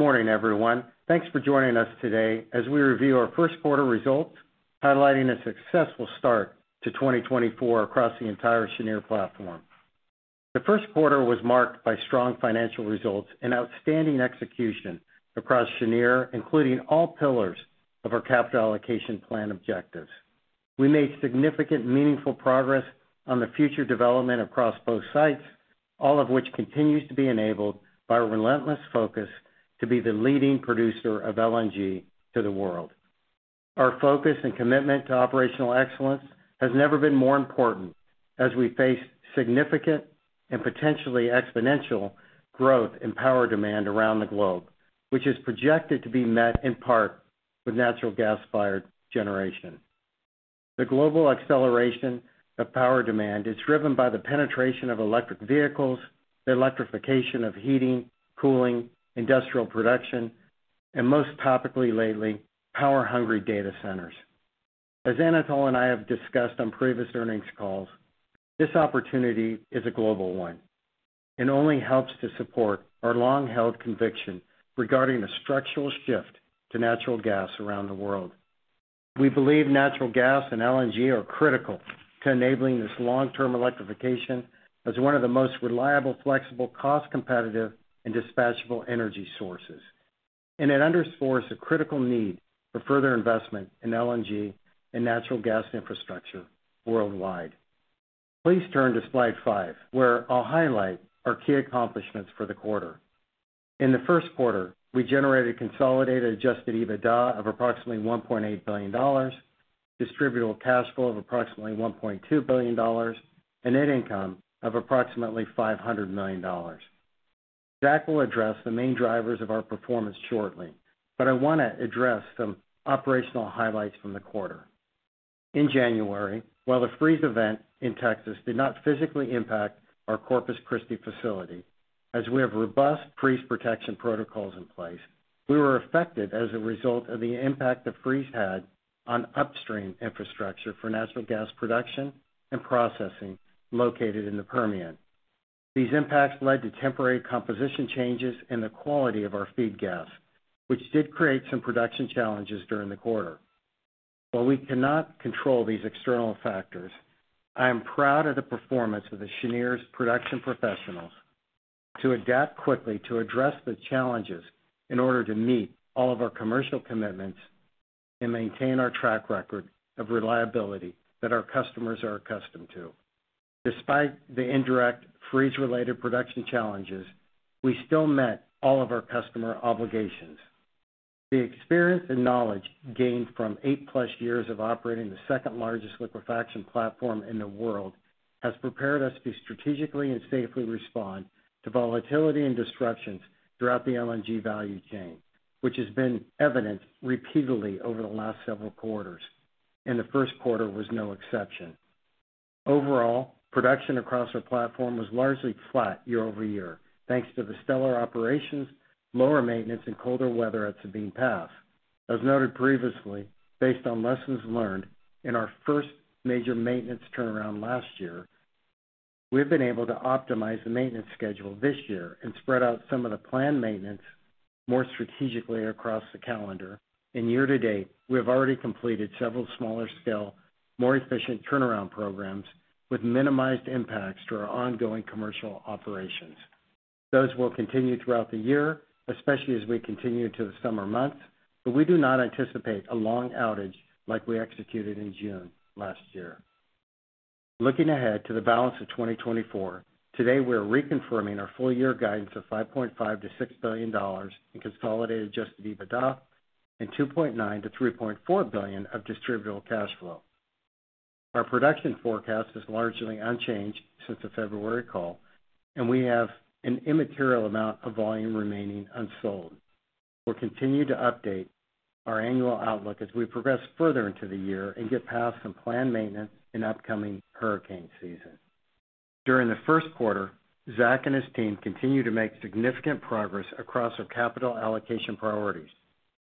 Good morning, everyone. Thanks for joining us today as we review our first quarter results, highlighting a successful start to 2024 across the entire Cheniere platform. The first quarter was marked by strong financial results and outstanding execution across Cheniere, including all pillars of our capital allocation plan objectives. We made significant, meaningful progress on the future development across both sites, all of which continues to be enabled by our relentless focus to be the leading producer of LNG to the world. Our focus and commitment to operational excellence has never been more important as we face significant and potentially exponential growth in power demand around the globe, which is projected to be met, in part, with natural gas-fired generation. The global acceleration of power demand is driven by the penetration of electric vehicles, the electrification of heating, cooling, industrial production, and most topically lately, power-hungry data centers. As Anatol and I have discussed on previous earnings calls, this opportunity is a global one and only helps to support our long-held conviction regarding the structural shift to natural gas around the world. We believe natural gas and LNG are critical to enabling this long-term electrification as one of the most reliable, flexible, cost-competitive, and dispatchable energy sources. And it underscores the critical need for further investment in LNG and natural gas infrastructure worldwide. Please turn to slide 5, where I'll highlight our key accomplishments for the quarter. In the first quarter, we generated consolidated adjusted EBITDA of approximately $1.8 billion, distributable cash flow of approximately $1.2 billion, and net income of approximately $500 million. Zach will address the main drivers of our performance shortly, but I want to address some operational highlights from the quarter. In January, while the freeze event in Texas did not physically impact our Corpus Christi facility, as we have robust freeze protection protocols in place, we were affected as a result of the impact the freeze had on upstream infrastructure for natural gas production and processing located in the Permian. These impacts led to temporary composition changes in the quality of our feed gas, which did create some production challenges during the quarter. While we cannot control these external factors, I am proud of the performance of Cheniere's production professionals to adapt quickly to address the challenges in order to meet all of our commercial commitments and maintain our track record of reliability that our customers are accustomed to. Despite the indirect freeze-related production challenges, we still met all of our customer obligations. The experience and knowledge gained from 8+ years of operating the second-largest liquefaction platform in the world has prepared us to strategically and safely respond to volatility and disruptions throughout the LNG value chain, which has been evident repeatedly over the last several quarters, and the first quarter was no exception. Overall, production across our platform was largely flat year-over-year, thanks to the stellar operations, lower maintenance, and colder weather at Sabine Pass. As noted previously, based on lessons learned in our first major maintenance turnaround last year, we've been able to optimize the maintenance schedule this year and spread out some of the planned maintenance more strategically across the calendar, and year to date, we have already completed several smaller-scale, more efficient turnaround programs with minimized impacts to our ongoing commercial operations. Those will continue throughout the year, especially as we continue into the summer months, but we do not anticipate a long outage like we executed in June last year. Looking ahead to the balance of 2024, today, we're reconfirming our full year guidance of $5.5 billion-$6 billion in consolidated Adjusted EBITDA and $2.9 billion-$3.4 billion of Distributable Cash Flow. Our production forecast is largely unchanged since the February call, and we have an immaterial amount of volume remaining unsold. We'll continue to update our annual outlook as we progress further into the year and get past some planned maintenance in upcoming hurricane season. During the first quarter, Zach and his team continued to make significant progress across our capital allocation priorities.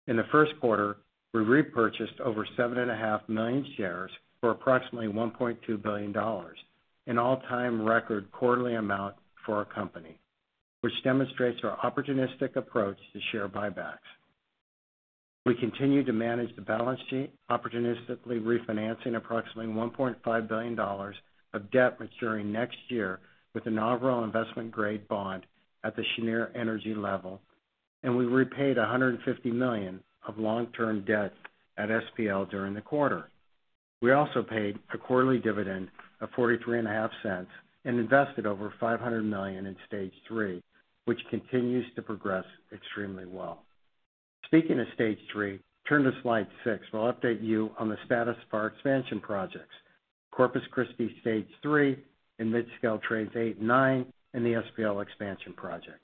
In the first quarter, we repurchased over 7.5 million shares for approximately $1.2 billion, an all-time record quarterly amount for our company, which demonstrates our opportunistic approach to share buybacks. We continued to manage the balance sheet, opportunistically refinancing approximately $1.5 billion of debt maturing next year with an overall investment-grade bond at the Cheniere Energy level, and we repaid $150 million of long-term debt at SPL during the quarter. We also paid a quarterly dividend of $0.435 and invested over $500 million in Stage 3, which continues to progress extremely well. Speaking of Stage 3, turn to slide 6, where I'll update you on the status of our expansion projects, Corpus Christi Stage 3 and Midscale Trains 8 and 9, and the SPL expansion project.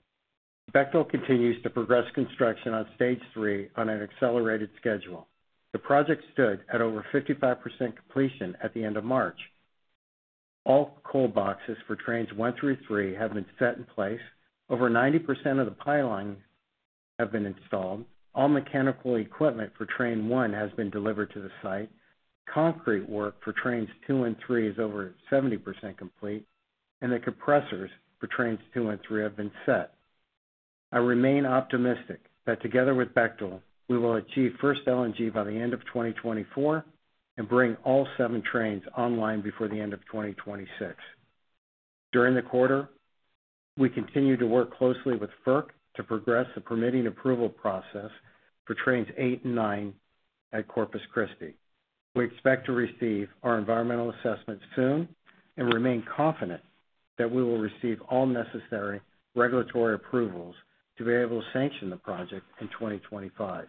Bechtel continues to progress construction on Stage 3 on an accelerated schedule. The project stood at over 55% completion at the end of March. All cold boxes for Trains 1 through 3 have been set in place. Over 90% of the pylon have been installed. All mechanical equipment for Train One has been delivered to the site. Concrete work for Trains 2 and 3 is over 70% complete, and the compressors for Trains 2 and 3 have been set. I remain optimistic that together with Bechtel, we will achieve first LNG by the end of 2024, and bring all seven trains online before the end of 2026. During the quarter, we continued to work closely with FERC to progress the permitting approval process for Trains 8 and 9 at Corpus Christi. We expect to receive our environmental assessments soon and remain confident that we will receive all necessary regulatory approvals to be able to sanction the project in 2025.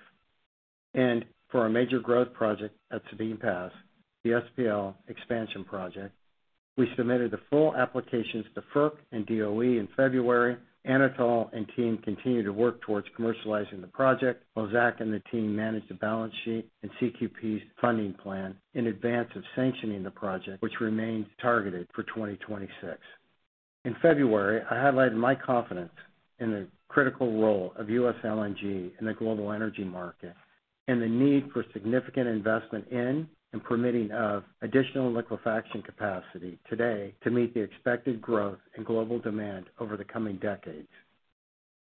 For our major growth project at Sabine Pass, the SPL Expansion project, we submitted the full applications to FERC and DOE in February. Anatol and team continue to work towards commercializing the project, while Zach and the team manage the balance sheet and CQP's funding plan in advance of sanctioning the project, which remains targeted for 2026. In February, I highlighted my confidence in the critical role of U.S. LNG in the global energy market, and the need for significant investment in, and permitting of, additional liquefaction capacity today to meet the expected growth in global demand over the coming decades.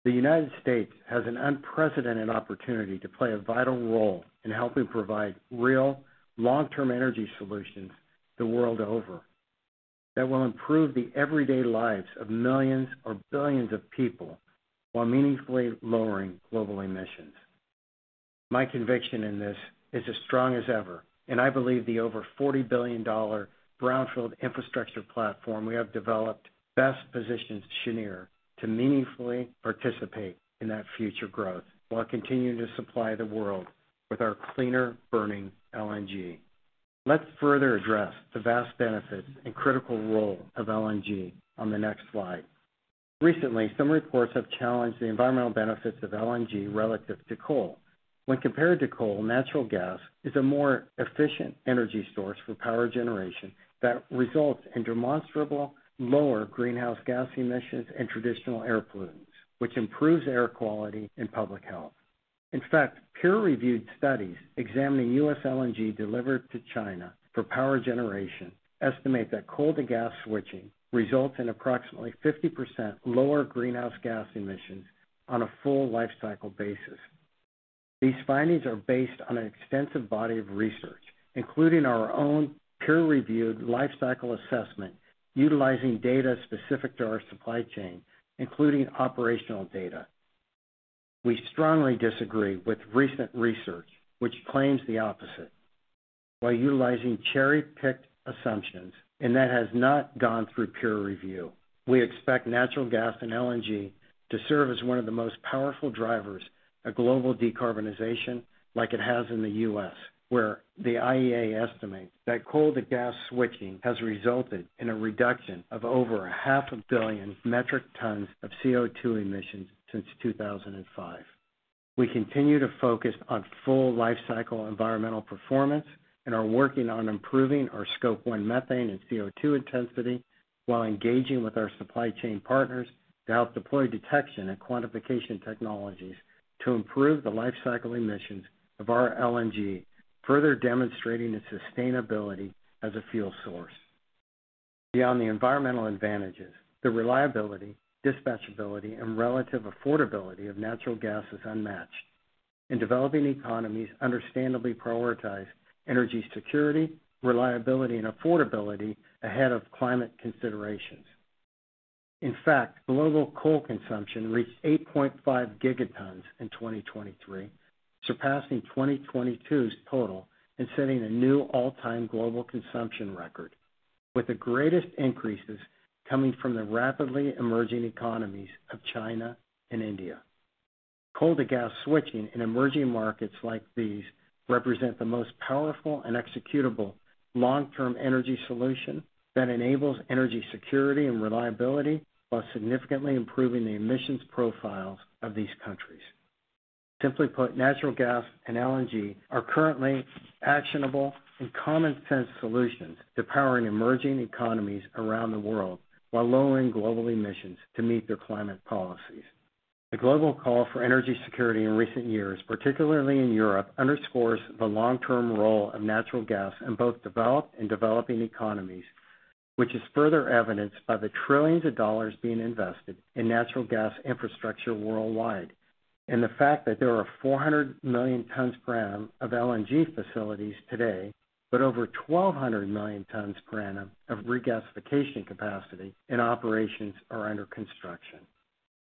The United States has an unprecedented opportunity to play a vital role in helping provide real, long-term energy solutions the world over, that will improve the everyday lives of millions or billions of people, while meaningfully lowering global emissions. My conviction in this is as strong as ever, and I believe the over $40 billion brownfield infrastructure platform we have developed, best positions Cheniere to meaningfully participate in that future growth, while continuing to supply the world with our cleaner-burning LNG. Let's further address the vast benefits and critical role of LNG on the next slide. Recently, some reports have challenged the environmental benefits of LNG relative to coal. When compared to coal, natural gas is a more efficient energy source for power generation that results in demonstrable lower greenhouse gas emissions and traditional air pollutants, which improves air quality and public health. In fact, peer-reviewed studies examining U.S. LNG delivered to China for power generation estimate that coal-to-gas switching results in approximately 50% lower greenhouse gas emissions on a full life cycle basis. These findings are based on an extensive body of research, including our own peer-reviewed life cycle assessment, utilizing data specific to our supply chain, including operational data. We strongly disagree with recent research, which claims the opposite, by utilizing cherry-picked assumptions, and that has not gone through peer review. We expect natural gas and LNG to serve as one of the most powerful drivers of global decarbonization, like it has in the U.S., where the IEA estimates that coal-to-gas switching has resulted in a reduction of over 500 million metric tons of CO2 emissions since 2005. We continue to focus on full life cycle environmental performance and are working on improving our Scope 1 methane and CO2 intensity, while engaging with our supply chain partners to help deploy detection and quantification technologies to improve the life cycle emissions of our LNG, further demonstrating its sustainability as a fuel source. Beyond the environmental advantages, the reliability, dispatchability, and relative affordability of natural gas is unmatched, and developing economies understandably prioritize energy security, reliability, and affordability ahead of climate considerations. In fact, global coal consumption reached 8.5 gigatons in 2023, surpassing 2022's total and setting a new all-time global consumption record, with the greatest increases coming from the rapidly emerging economies of China and India. Coal-to-gas switching in emerging markets like these, represent the most powerful and executable long-term energy solution that enables energy security and reliability, while significantly improving the emissions profiles of these countries. Simply put, natural gas and LNG are currently actionable and common-sense solutions to powering emerging economies around the world, while lowering global emissions to meet their climate policies. The global call for energy security in recent years, particularly in Europe, underscores the long-term role of natural gas in both developed and developing economies, which is further evidenced by the trillions of dollars being invested in natural gas infrastructure worldwide, and the fact that there are 400 million tons per annum of LNG facilities today, but over 1,200 million tons per annum of regasification capacity in operations or under construction.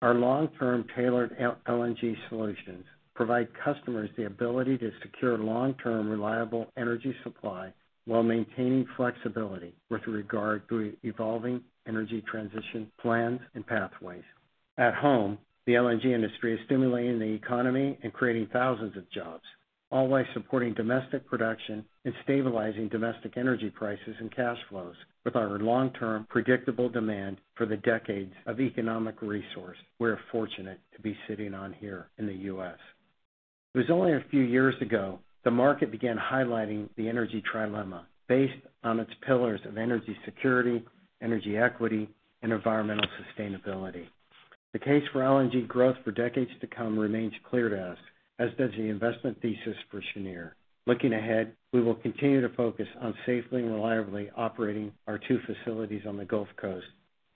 Our long-term tailored LNG solutions provide customers the ability to secure long-term, reliable energy supply, while maintaining flexibility with regard to evolving energy transition plans and pathways. At home, the LNG industry is stimulating the economy and creating thousands of jobs, all while supporting domestic production and stabilizing domestic energy prices and cash flows with our long-term, predictable demand for the decades of economic resource we're fortunate to be sitting on here in the US. It was only a few years ago, the market began highlighting the energy trilemma based on its pillars of energy security, energy equity, and environmental sustainability. The case for LNG growth for decades to come remains clear to us, as does the investment thesis for Cheniere. Looking ahead, we will continue to focus on safely and reliably operating our two facilities on the Gulf Coast,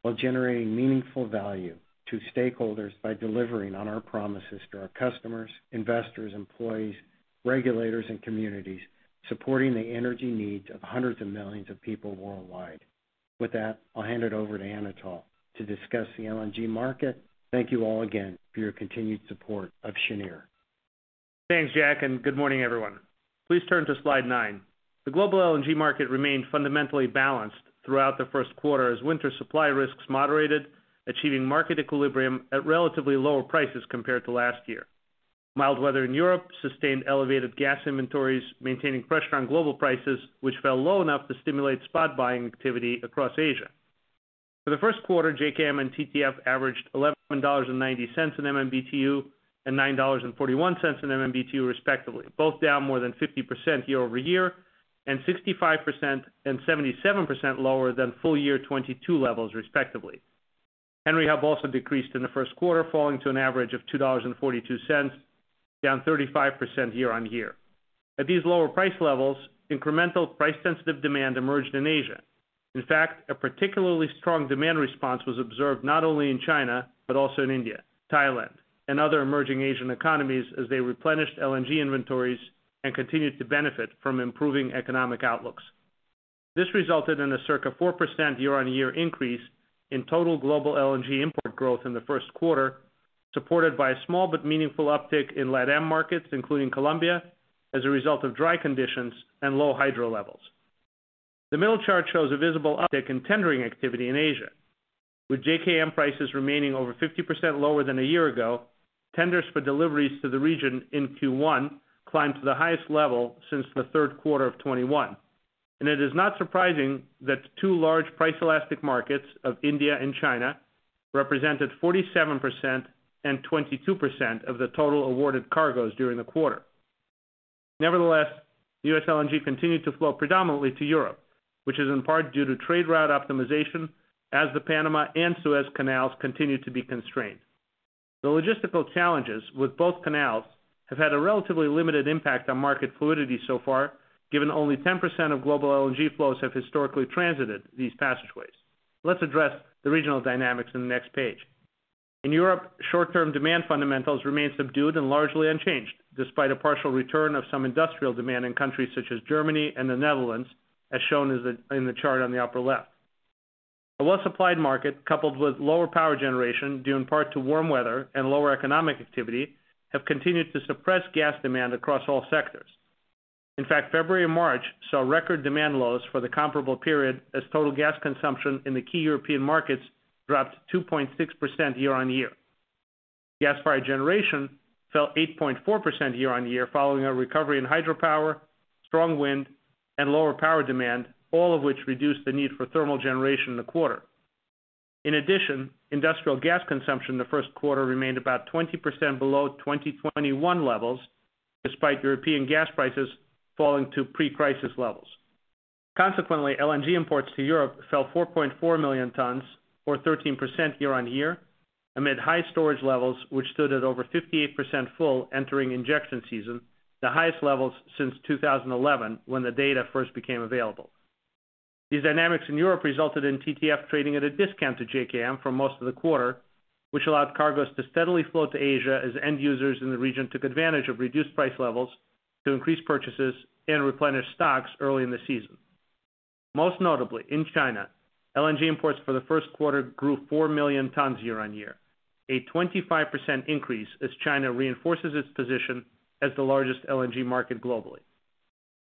while generating meaningful value to stakeholders by delivering on our promises to our customers, investors, employees, regulators, and communities, supporting the energy needs of hundreds of millions of people worldwide. With that, I'll hand it over to Anatol to discuss the LNG market. Thank you all again for your continued support of Cheniere. Thanks, Jack, and good morning, everyone. Please turn to slide 9. The global LNG market remained fundamentally balanced throughout the first quarter as winter supply risks moderated, achieving market equilibrium at relatively lower prices compared to last year. Mild weather in Europe sustained elevated gas inventories, maintaining pressure on global prices, which fell low enough to stimulate spot buying activity across Asia. For the first quarter, JKM and TTF averaged $11.90/MMBtu, and $9.41/MMBtu, respectively, both down more than 50% year-over-year, and 65% and 77% lower than full year 2022 levels, respectively. Henry Hub also decreased in the first quarter, falling to an average of $2.42, down 35% year-on-year. At these lower price levels, incremental price-sensitive demand emerged in Asia. In fact, a particularly strong demand response was observed not only in China, but also in India, Thailand, and other emerging Asian economies as they replenished LNG inventories and continued to benefit from improving economic outlooks. This resulted in a circa 4% year-on-year increase in total global LNG import growth in the first quarter, supported by a small but meaningful uptick in LatAm markets, including Colombia, as a result of dry conditions and low hydro levels. The middle chart shows a visible uptick in tendering activity in Asia, with JKM prices remaining over 50% lower than a year ago, tenders for deliveries to the region in Q1 climbed to the highest level since the third quarter of 2021. And it is not surprising that the two large price-elastic markets of India and China represented 47% and 22% of the total awarded cargoes during the quarter. Nevertheless, U.S. LNG continued to flow predominantly to Europe, which is in part due to trade route optimization as the Panama Canal and Suez Canal continue to be constrained. The logistical challenges with both canals have had a relatively limited impact on market fluidity so far, given only 10% of global LNG flows have historically transited these passageways. Let's address the regional dynamics in the next page. In Europe, short-term demand fundamentals remain subdued and largely unchanged, despite a partial return of some industrial demand in countries such as Germany and the Netherlands, as shown in the chart on the upper left. A well-supplied market, coupled with lower power generation, due in part to warm weather and lower economic activity, have continued to suppress gas demand across all sectors. In fact, February and March saw record demand lows for the comparable period as total gas consumption in the key European markets dropped 2.6% year-on-year. Gas-fired generation fell 8.4% year-on-year, following a recovery in hydropower, strong wind, and lower power demand, all of which reduced the need for thermal generation in the quarter. In addition, industrial gas consumption in the first quarter remained about 20% below 2021 levels, despite European gas prices falling to pre-crisis levels. Consequently, LNG imports to Europe fell 4.4 million tons, or 13% year-on-year, amid high storage levels, which stood at over 58% full, entering injection season, the highest levels since 2011, when the data first became available. These dynamics in Europe resulted in TTF trading at a discount to JKM for most of the quarter, which allowed cargoes to steadily flow to Asia as end users in the region took advantage of reduced price levels to increase purchases and replenish stocks early in the season. Most notably, in China, LNG imports for the first quarter grew 4 million tons year-on-year, a 25% increase as China reinforces its position as the largest LNG market globally.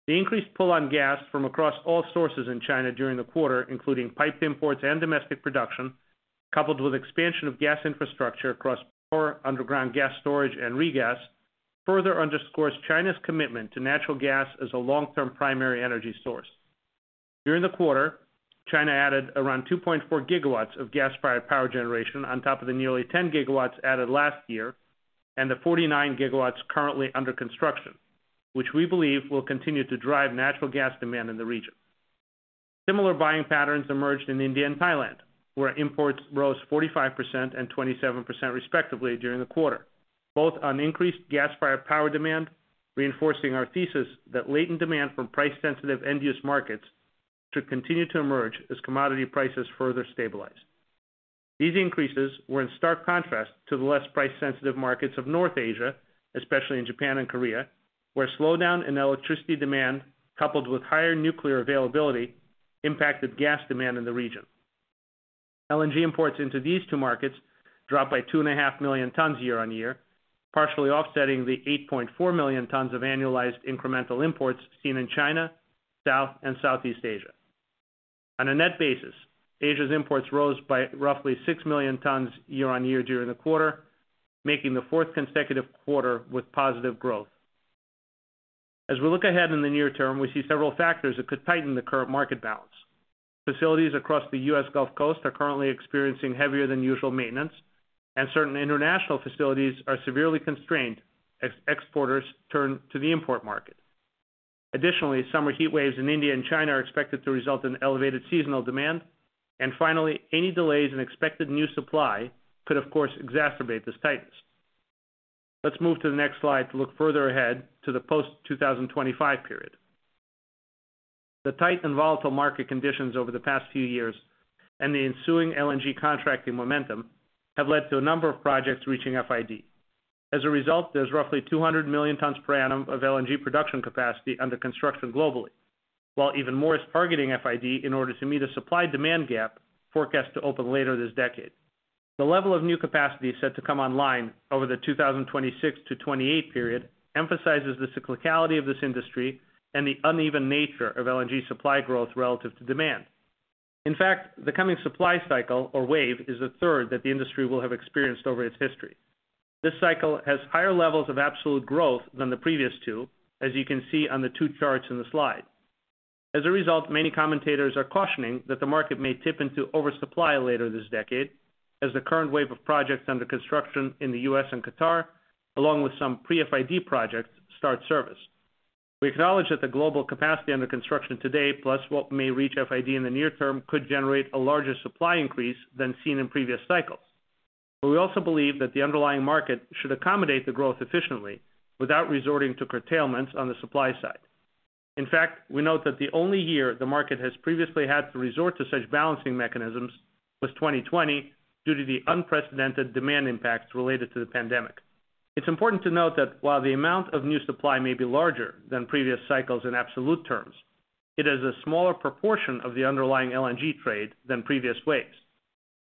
The increased pull on gas from across all sources in China during the quarter, including pipe imports and domestic production, coupled with expansion of gas infrastructure across power, underground gas storage, and regas, further underscores China's commitment to natural gas as a long-term primary energy source. During the quarter, China added around 2.4 gigawatts of gas-fired power generation on top of the nearly 10 gigawatts added last year and the 49 gigawatts currently under construction, which we believe will continue to drive natural gas demand in the region. Similar buying patterns emerged in India and Thailand, where imports rose 45% and 27%, respectively, during the quarter, both on increased gas-fired power demand, reinforcing our thesis that latent demand from price-sensitive end-use markets should continue to emerge as commodity prices further stabilize. These increases were in stark contrast to the less price-sensitive markets of North Asia, especially in Japan and Korea, where slowdown in electricity demand, coupled with higher nuclear availability, impacted gas demand in the region. LNG imports into these two markets dropped by 2.5 million tons year-on-year, partially offsetting the 8.4 million tons of annualized incremental imports seen in China, South and Southeast Asia. On a net basis, Asia's imports rose by roughly 6 million tons year-on-year during the quarter, making the fourth consecutive quarter with positive growth. As we look ahead in the near term, we see several factors that could tighten the current market balance. Facilities across the U.S. Gulf Coast are currently experiencing heavier than usual maintenance, and certain international facilities are severely constrained as exporters turn to the import market. Additionally, summer heat waves in India and China are expected to result in elevated seasonal demand. And finally, any delays in expected new supply could, of course, exacerbate this tightness. Let's move to the next slide to look further ahead to the post-2025 period. The tight and volatile market conditions over the past few years and the ensuing LNG contracting momentum have led to a number of projects reaching FID. As a result, there's roughly 200 million tons per annum of LNG production capacity under construction globally, while even more is targeting FID in order to meet a supply-demand gap forecast to open later this decade. The level of new capacity set to come online over the 2026-2028 period emphasizes the cyclicality of this industry and the uneven nature of LNG supply growth relative to demand. In fact, the coming supply cycle, or wave, is the third that the industry will have experienced over its history. This cycle has higher levels of absolute growth than the previous two, as you can see on the two charts in the slide. As a result, many commentators are cautioning that the market may tip into oversupply later this decade, as the current wave of projects under construction in the U.S. and Qatar, along with some pre-FID projects, start service. We acknowledge that the global capacity under construction today, plus what may reach FID in the near term, could generate a larger supply increase than seen in previous cycles. But we also believe that the underlying market should accommodate the growth efficiently without resorting to curtailments on the supply side. In fact, we note that the only year the market has previously had to resort to such balancing mechanisms was 2020, due to the unprecedented demand impacts related to the pandemic. It's important to note that while the amount of new supply may be larger than previous cycles in absolute terms, it is a smaller proportion of the underlying LNG trade than previous waves.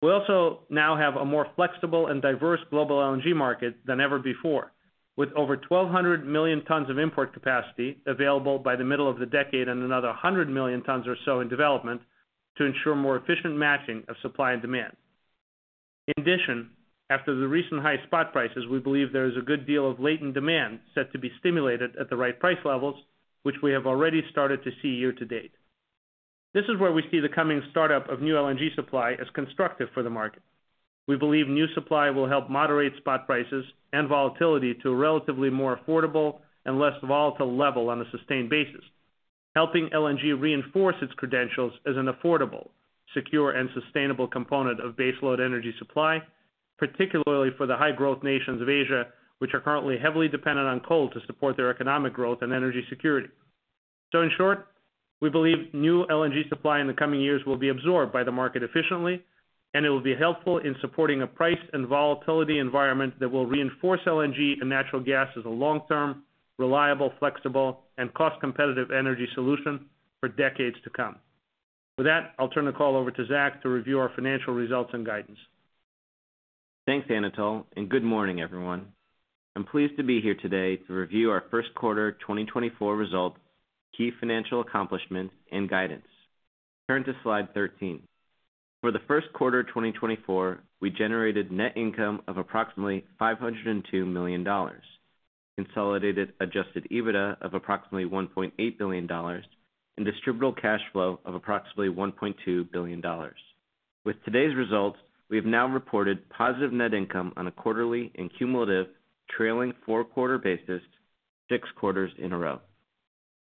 We also now have a more flexible and diverse global LNG market than ever before, with over 1,200 million tons of import capacity available by the middle of the decade, and another 100 million tons or so in development to ensure more efficient matching of supply and demand. In addition, after the recent high spot prices, we believe there is a good deal of latent demand set to be stimulated at the right price levels, which we have already started to see year-to-date. This is where we see the coming startup of new LNG supply as constructive for the market. We believe new supply will help moderate spot prices and volatility to a relatively more affordable and less volatile level on a sustained basis, helping LNG reinforce its credentials as an affordable, secure, and sustainable component of baseload energy supply, particularly for the high-growth nations of Asia, which are currently heavily dependent on coal to support their economic growth and energy security. So in short, we believe new LNG supply in the coming years will be absorbed by the market efficiently, and it will be helpful in supporting a price and volatility environment that will reinforce LNG and natural gas as a long-term, reliable, flexible, and cost-competitive energy solution for decades to come. With that, I'll turn the call over to Zach to review our financial results and guidance. Thanks, Anatol, and good morning, everyone. I'm pleased to be here today to review our first quarter 2024 results, key financial accomplishments, and guidance. Turn to slide 13. For the first quarter 2024, we generated net income of approximately $502 million, consolidated Adjusted EBITDA of approximately $1.8 billion, and distributable cash flow of approximately $1.2 billion. With today's results, we have now reported positive net income on a quarterly and cumulative trailing 4-quarter basis, 6 quarters in a row.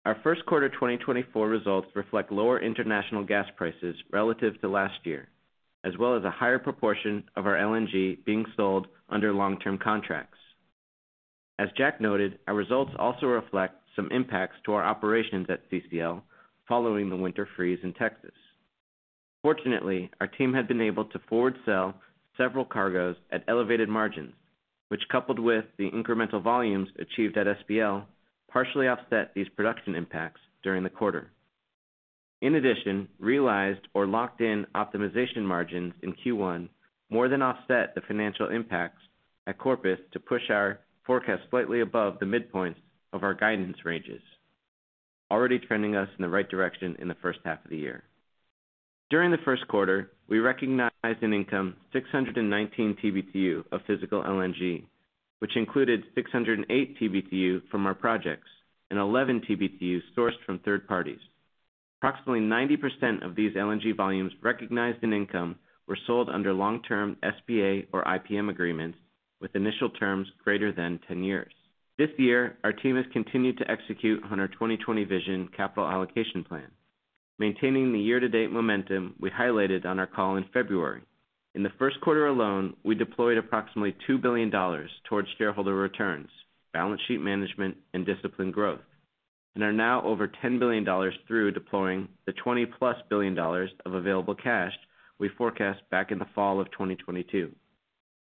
Our first quarter 2024 results reflect lower international gas prices relative to last year, as well as a higher proportion of our LNG being sold under long-term contracts. As Jack noted, our results also reflect some impacts to our operations at CCL following the winter freeze in Texas. Fortunately, our team had been able to forward sell several cargoes at elevated margins, which, coupled with the incremental volumes achieved at SPL, partially offset these production impacts during the quarter. In addition, realized or locked-in optimization margins in Q1 more than offset the financial impacts at Corpus to push our forecast slightly above the midpoint of our guidance ranges, already trending us in the right direction in the first half of the year. During the first quarter, we recognized an income 619 TBtu of physical LNG, which included 608 TBtu from our projects and 11 TBtu sourced from third parties. Approximately 90% of these LNG volumes recognized in income were sold under long-term SPA or IPM agreements, with initial terms greater than 10 years. This year, our team has continued to execute on our 20/20 Vision capital allocation plan, maintaining the year-to-date momentum we highlighted on our call in February. In the first quarter alone, we deployed approximately $2 billion towards shareholder returns, balance sheet management, and disciplined growth, and are now over $10 billion through deploying the $20+ billion of available cash we forecast back in the fall of 2022,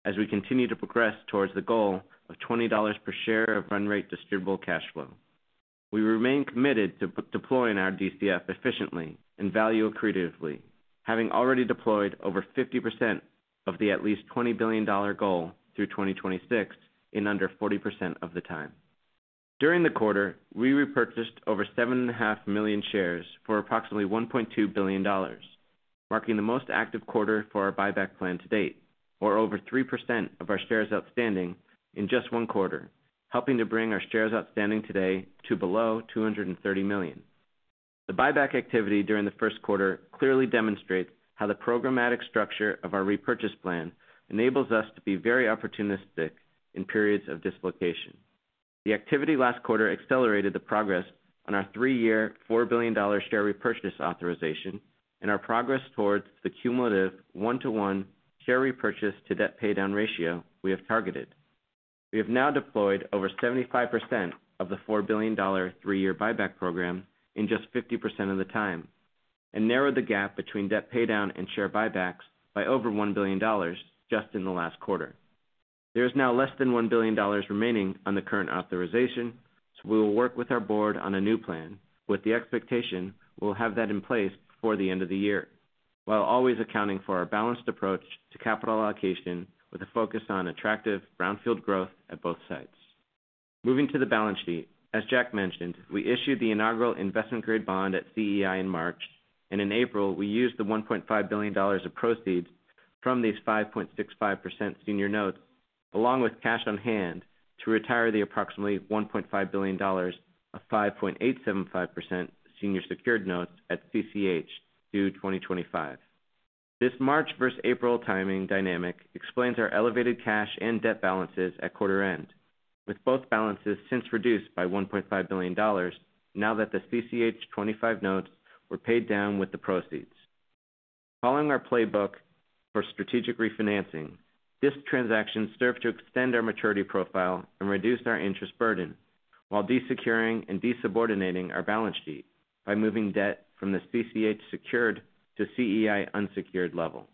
as we continue to progress towards the goal of $20 per share of run rate distributable cash flow. We remain committed to deploying our DCF efficiently and value accretively, having already deployed over 50% of the at least $20 billion goal through 2026 in under 40% of the time. During the quarter, we repurchased over 7.5 million shares for approximately $1.2 billion, marking the most active quarter for our buyback plan to date, or over 3% of our shares outstanding in just one quarter, helping to bring our shares outstanding today to below 230 million. The buyback activity during the first quarter clearly demonstrates how the programmatic structure of our repurchase plan enables us to be very opportunistic in periods of dislocation. The activity last quarter accelerated the progress on our three-year, $4 billion share repurchase authorization and our progress towards the cumulative 1-to-1 share repurchase to debt paydown ratio we have targeted. We have now deployed over 75% of the $4 billion 3-year buyback program in just 50% of the time, and narrowed the gap between debt paydown and share buybacks by over $1 billion just in the last quarter. There is now less than $1 billion remaining on the current authorization, so we will work with our board on a new plan, with the expectation we'll have that in place before the end of the year, while always accounting for our balanced approach to capital allocation, with a focus on attractive brownfield growth at both sites. Moving to the balance sheet. As Jack mentioned, we issued the inaugural investment-grade bond at CEI in March, and in April, we used the $1.5 billion of proceeds from these 5.65% senior notes, along with cash on hand, to retire the approximately $1.5 billion of 5.875% senior secured notes at CCH, due 2025. This March versus April timing dynamic explains our elevated cash and debt balances at quarter end, with both balances since reduced by $1.5 billion now that the CCH '25 notes were paid down with the proceeds. Following our playbook for strategic refinancing, this transaction served to extend our maturity profile and reduced our interest burden while de-securing and de-subordinating our balance sheet by moving debt from the CCH secured to CEI unsecured level.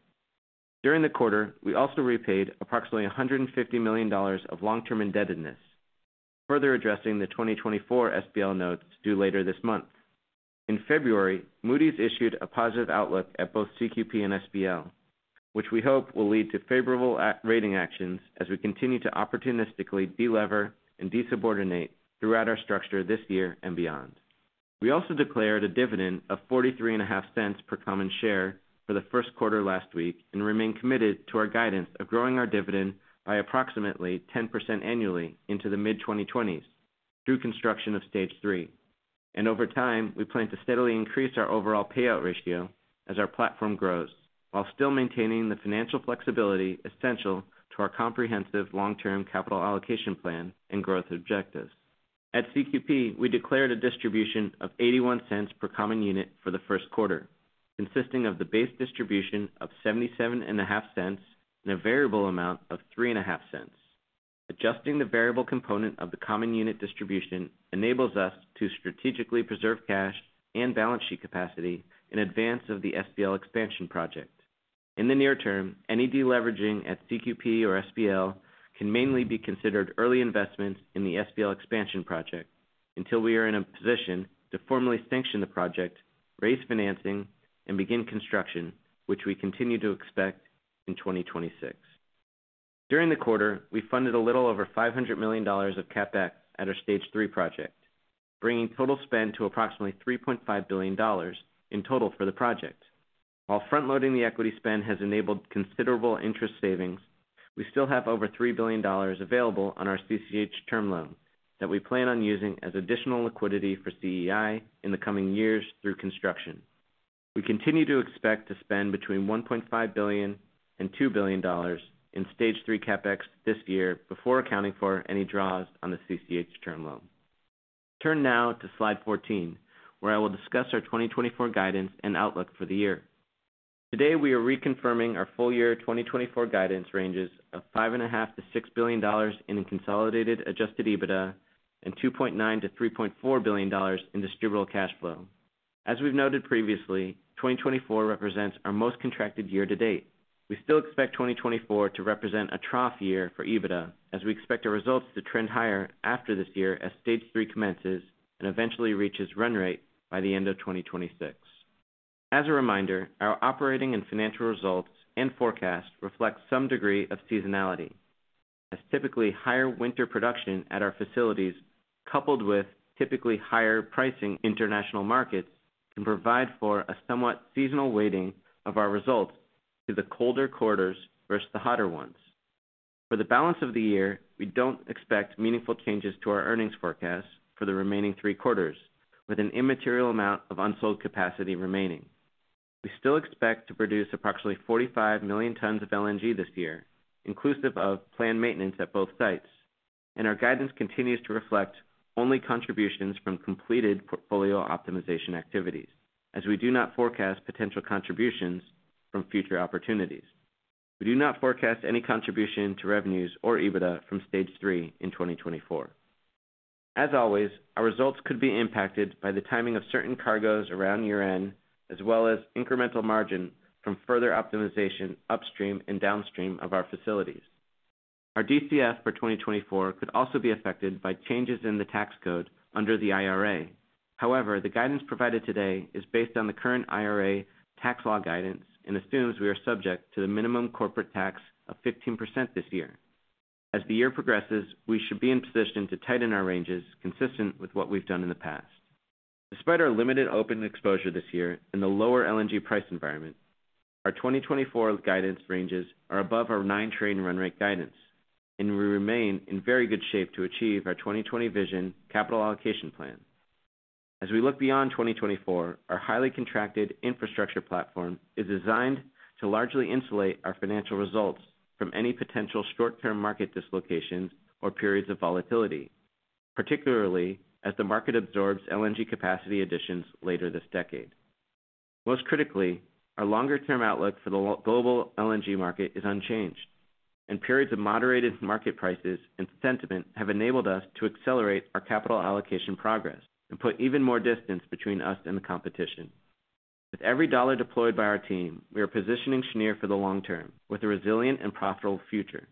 During the quarter, we also repaid approximately $150 million of long-term indebtedness, further addressing the 2024 SPL notes due later this month. In February, Moody's issued a positive outlook at both CQP and SPL, which we hope will lead to favorable A- rating actions as we continue to opportunistically de-lever and de-subordinate throughout our structure this year and beyond. We also declared a dividend of $0.435 per common share for the first quarter last week, and remain committed to our guidance of growing our dividend by approximately 10% annually into the mid-2020s through construction of Stage 3. Over time, we plan to steadily increase our overall payout ratio as our platform grows, while still maintaining the financial flexibility essential to our comprehensive long-term capital allocation plan and growth objectives. At CQP, we declared a distribution of $0.81 per common unit for the first quarter, consisting of the base distribution of $0.775 and a variable amount of $0.035. Adjusting the variable component of the common unit distribution enables us to strategically preserve cash and balance sheet capacity in advance of the SPL expansion project. In the near term, any de-leveraging at CQP or SPL can mainly be considered early investments in the SPL expansion project until we are in a position to formally sanction the project, raise financing, and begin construction, which we continue to expect in 2026. During the quarter, we funded a little over $500 million of CapEx at our Stage 3 project, bringing total spend to approximately $3.5 billion in total for the project. While front-loading the equity spend has enabled considerable interest savings, we still have over $3 billion available on our CCH term loan that we plan on using as additional liquidity for CEI in the coming years through construction. We continue to expect to spend between $1.5 billion and $2 billion in Stage 3 CapEx this year, before accounting for any draws on the CCH term loan. Turn now to slide 14, where I will discuss our 2024 guidance and outlook for the year. Today, we are reconfirming our full year 2024 guidance ranges of $5.5 billion-$6 billion in consolidated Adjusted EBITDA, and $2.9 billion-$3.4 billion in Distributable Cash Flow. As we've noted previously, 2024 represents our most contracted year to date. We still expect 2024 to represent a trough year for EBITDA, as we expect our results to trend higher after this year as Stage 3 commences and eventually reaches run rate by the end of 2026. As a reminder, our operating and financial results and forecast reflect some degree of seasonality, as typically, higher winter production at our facilities, coupled with typically higher pricing international markets, can provide for a somewhat seasonal weighting of our results to the colder quarters versus the hotter ones. For the balance of the year, we don't expect meaningful changes to our earnings forecast for the remaining 3 quarters, with an immaterial amount of unsold capacity remaining. We still expect to produce approximately 45 million tons of LNG this year, inclusive of planned maintenance at both sites, and our guidance continues to reflect only contributions from completed portfolio optimization activities, as we do not forecast potential contributions from future opportunities. We do not forecast any contribution to revenues or EBITDA from Stage 3 in 2024. As always, our results could be impacted by the timing of certain cargoes around year-end, as well as incremental margin from further optimization upstream and downstream of our facilities. Our DCF for 2024 could also be affected by changes in the tax code under the IRA. However, the guidance provided today is based on the current IRA tax law guidance and assumes we are subject to the minimum corporate tax of 15% this year. As the year progresses, we should be in position to tighten our ranges, consistent with what we've done in the past. Despite our limited open exposure this year and the lower LNG price environment, our 2024 guidance ranges are above our 9-train run rate guidance, and we remain in very good shape to achieve our 20/20 Vision capital allocation plan. As we look beyond 2024, our highly contracted infrastructure platform is designed to largely insulate our financial results from any potential short-term market dislocations or periods of volatility, particularly as the market absorbs LNG capacity additions later this decade. Most critically, our longer-term outlook for the global LNG market is unchanged, and periods of moderated market prices and sentiment have enabled us to accelerate our capital allocation progress and put even more distance between us and the competition. With every dollar deployed by our team, we are positioning Cheniere for the long term with a resilient and profitable future.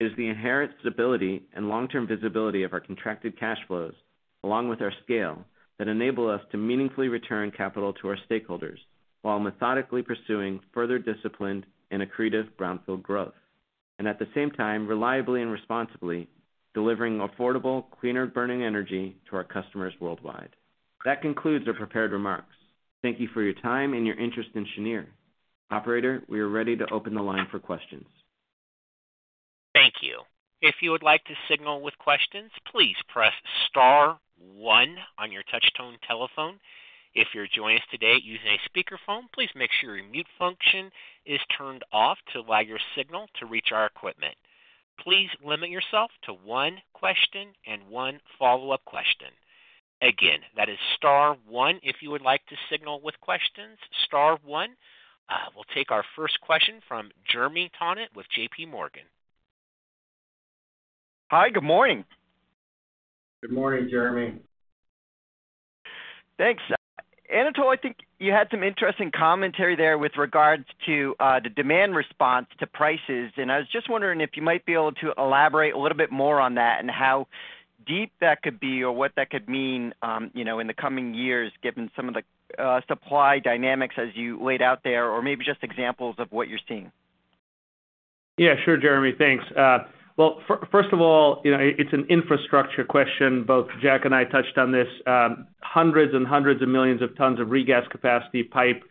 It is the inherent stability and long-term visibility of our contracted cash flows, along with our scale, that enable us to meaningfully return capital to our stakeholders, while methodically pursuing further disciplined and accretive brownfield growth, and at the same time, reliably and responsibly delivering affordable, cleaner-burning energy to our customers worldwide. That concludes our prepared remarks. Thank you for your time and your interest in Cheniere. Operator, we are ready to open the line for questions. Thank you. If you would like to signal with questions, please press star one on your touchtone telephone. If you're joining us today using a speakerphone, please make sure your mute function is turned off to allow your signal to reach our equipment. Please limit yourself to one question and one follow-up question. Again, that is star one if you would like to signal with questions, star one. We'll take our first question from Jeremy Tonet with JPMorgan. Hi, good morning. Good morning, Jeremy. Thanks. Anatol, I think you had some interesting commentary there with regards to the demand response to prices, and I was just wondering if you might be able to elaborate a little bit more on that and how deep that could be or what that could mean, you know, in the coming years, given some of the supply dynamics as you laid out there, or maybe just examples of what you're seeing? Yeah, sure, Jeremy. Thanks. Well, first of all, you know, it's an infrastructure question. Both Jack and I touched on this. Hundreds and hundreds of millions of tons of regas capacity, pipe,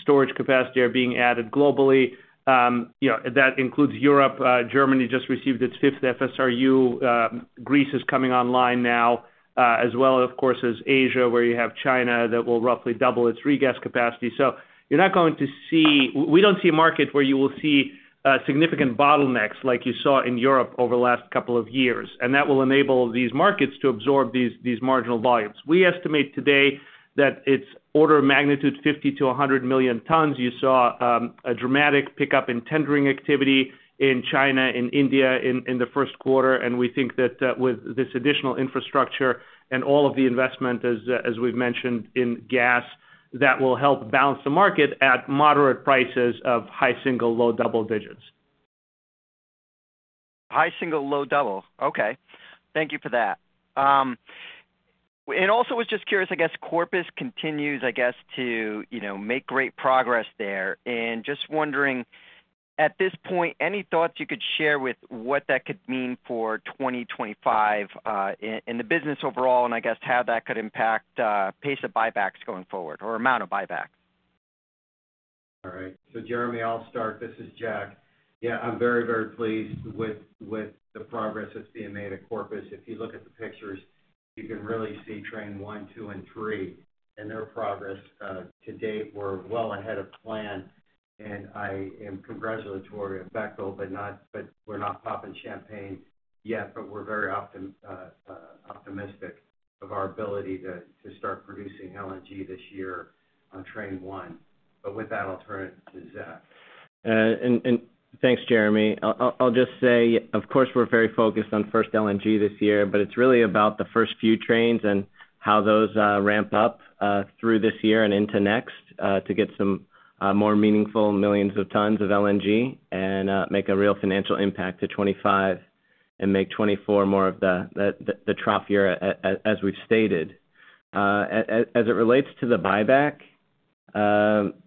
storage capacity are being added globally. You know, that includes Europe. Germany just received its fifth FSRU. Greece is coming online now, as well, of course, as Asia, where you have China, that will roughly double its regas capacity. So you're not going to see—we, we don't see a market where you will see significant bottlenecks like you saw in Europe over the last couple of years, and that will enable these markets to absorb these, these marginal volumes. We estimate today that it's order of magnitude 50-100 million tons. You saw a dramatic pickup in tendering activity in China and India in the first quarter, and we think that with this additional infrastructure and all of the investment, as we've mentioned in gas, that will help balance the market at moderate prices of high single, low double digits. High single, low double. Okay. Thank you for that. And also was just curious, I guess, Corpus continues, I guess, to, you know, make great progress there. And just wondering, at this point, any thoughts you could share with what that could mean for 2025, in, in the business overall, and I guess how that could impact, pace of buybacks going forward or amount of buyback? All right. So Jeremy, I'll start. This is Jack. Yeah, I'm very, very pleased with the progress that's being made at Corpus. If you look at the pictures, you can really see Train 1, 2, and 3 and their progress. To date, we're well ahead of plan, and I am congratulatory of Bechtel, but not, but we're not popping champagne yet, but we're very optimistic of our ability to start producing LNG this year on Train 1. But with that, I'll turn it to Zach. And thanks, Jeremy. I'll just say, of course, we're very focused on first LNG this year, but it's really about the first few trains and how those ramp up through this year and into next to get some more meaningful millions of tons of LNG and make a real financial impact to 25 and make 24 more of the trough year, as we've stated. As it relates to the buyback,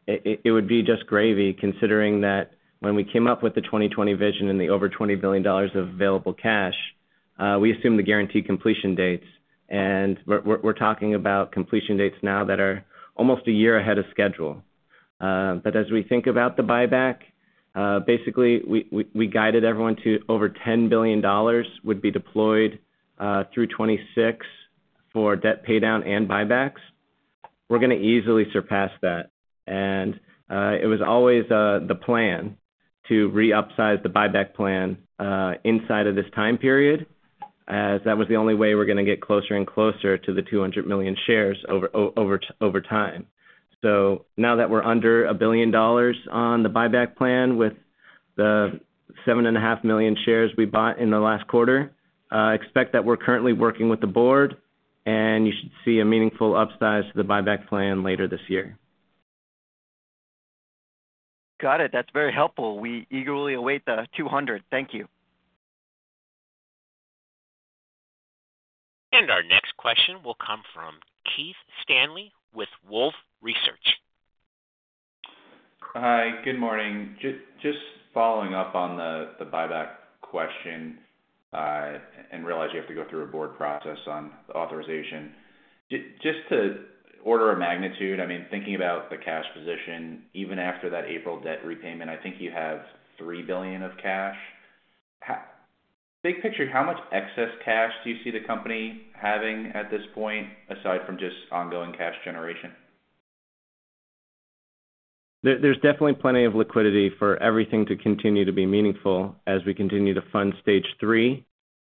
it would be just gravy, considering that when we came up with the 2020 vision and the over $20 billion of available cash, we assumed the guaranteed completion dates, and we're talking about completion dates now that are almost a year ahead of schedule. But as we think about the buyback, basically, we guided everyone to over $10 billion would be deployed through 2026 for debt paydown and buybacks. We're gonna easily surpass that. And it was always the plan to re-upsize the buyback plan inside of this time period, as that was the only way we're gonna get closer and closer to the 200 million shares over time. So now that we're under $1 billion on the buyback plan, with the 7.5 million shares we bought in the last quarter, I expect that we're currently working with the board, and you should see a meaningful upsize to the buyback plan later this year. Got it. That's very helpful. We eagerly await the 200. Thank you. Our next question will come from Keith Stanley with Wolfe Research. Hi, good morning. Just following up on the buyback question.... and realize you have to go through a board process on the authorization. Just to order of magnitude, I mean, thinking about the cash position, even after that April debt repayment, I think you have $3 billion of cash. Big picture, how much excess cash do you see the company having at this point, aside from just ongoing cash generation? There, there's definitely plenty of liquidity for everything to continue to be meaningful as we continue to fund Stage 3,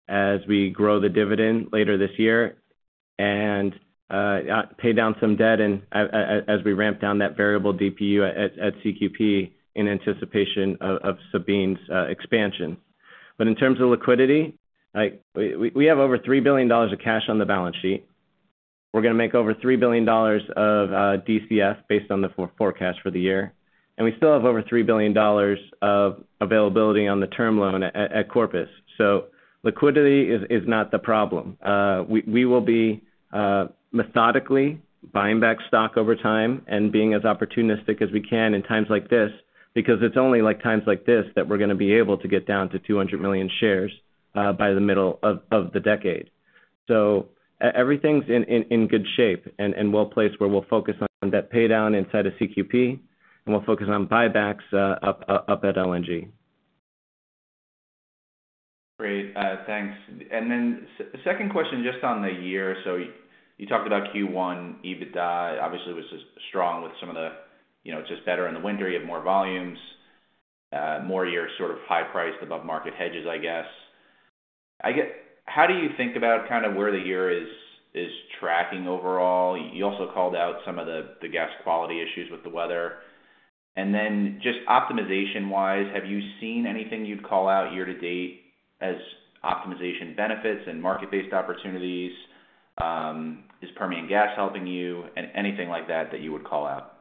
as we grow the dividend later this year, and pay down some debt as we ramp down that variable DPU at CQP in anticipation of Sabine's expansion. But in terms of liquidity, like, we have over $3 billion of cash on the balance sheet. We're gonna make over $3 billion of DCF based on the forecast for the year, and we still have over $3 billion of availability on the term loan at Corpus. So liquidity is not the problem. We will be methodically buying back stock over time and being as opportunistic as we can in times like this, because it's only like times like this that we're gonna be able to get down to 200 million shares by the middle of the decade. So everything's in good shape and well placed, where we'll focus on debt paydown inside of CQP, and we'll focus on buybacks up at LNG. Great. Thanks. And then second question, just on the year. So you talked about Q1, EBITDA obviously was strong with some of the, you know, just better in the winter, you have more volumes, more year sort of high-priced above market hedges, I guess. I get how do you think about kind of where the year is, is tracking overall? You also called out some of the, the gas quality issues with the weather. And then just optimization-wise, have you seen anything you'd call out year to date as optimization benefits and market-based opportunities? Is Permian gas helping you? And anything like that, that you would call out.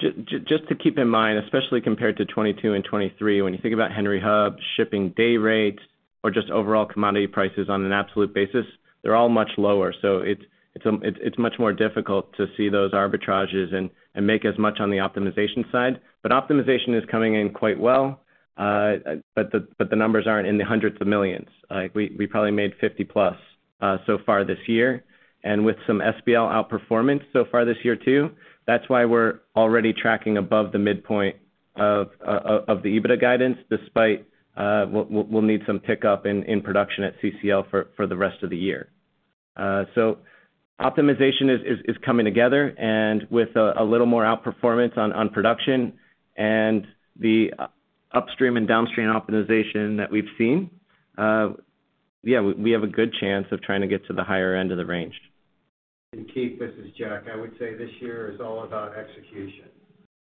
Just to keep in mind, especially compared to 2022 and 2023, when you think about Henry Hub, shipping day rates or just overall commodity prices on an absolute basis, they're all much lower. So it's much more difficult to see those arbitrages and make as much on the optimization side. But optimization is coming in quite well, but the numbers aren't in the hundreds of millions. We probably made $50+ million so far this year, and with some SPL outperformance so far this year, too. That's why we're already tracking above the midpoint of the EBITDA guidance, despite we'll need some pickup in production at CCL for the rest of the year. So optimization is coming together, and with a little more outperformance on production and the upstream and downstream optimization that we've seen, we have a good chance of trying to get to the higher end of the range. Keith, this is Jack. I would say this year is all about execution,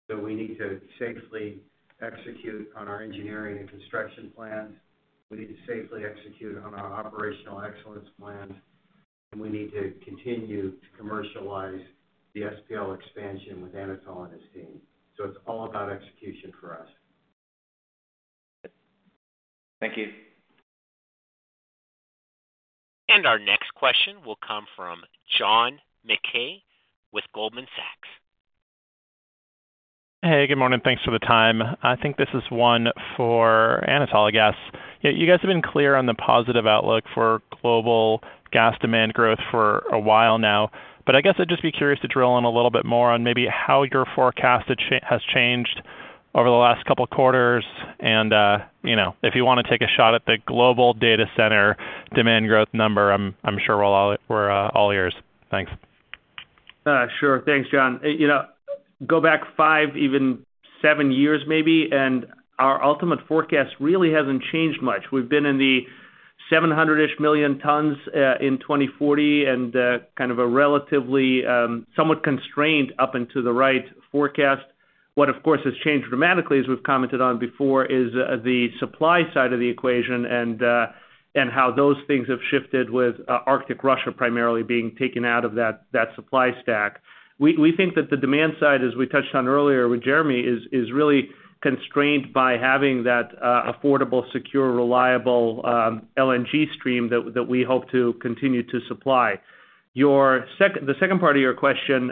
so we need to safely execute on our engineering and construction plans. We need to safely execute on our operational excellence plans, and we need to continue to commercialize the SPL expansion with Anatol and his team. So it's all about execution for us. Thank you. Our next question will come from John Mackay with Goldman Sachs. Hey, good morning. Thanks for the time. I think this is one for Anatol, I guess. You guys have been clear on the positive outlook for global gas demand growth for a while now, but I guess I'd just be curious to drill in a little bit more on maybe how your forecast has changed over the last couple of quarters. And, you know, if you want to take a shot at the global data center demand growth number, I'm sure we're all ears. Thanks. Sure. Thanks, John. You know, go back five, even seven years maybe, and our ultimate forecast really hasn't changed much. We've been in the 700-ish million tons in 2040, and kind of a relatively somewhat constrained up into the right forecast. What, of course, has changed dramatically, as we've commented on before, is the supply side of the equation and how those things have shifted with Arctic Russia primarily being taken out of that supply stack. We think that the demand side, as we touched on earlier with Jeremy, is really constrained by having that affordable, secure, reliable LNG stream that we hope to continue to supply. Your second part of your question,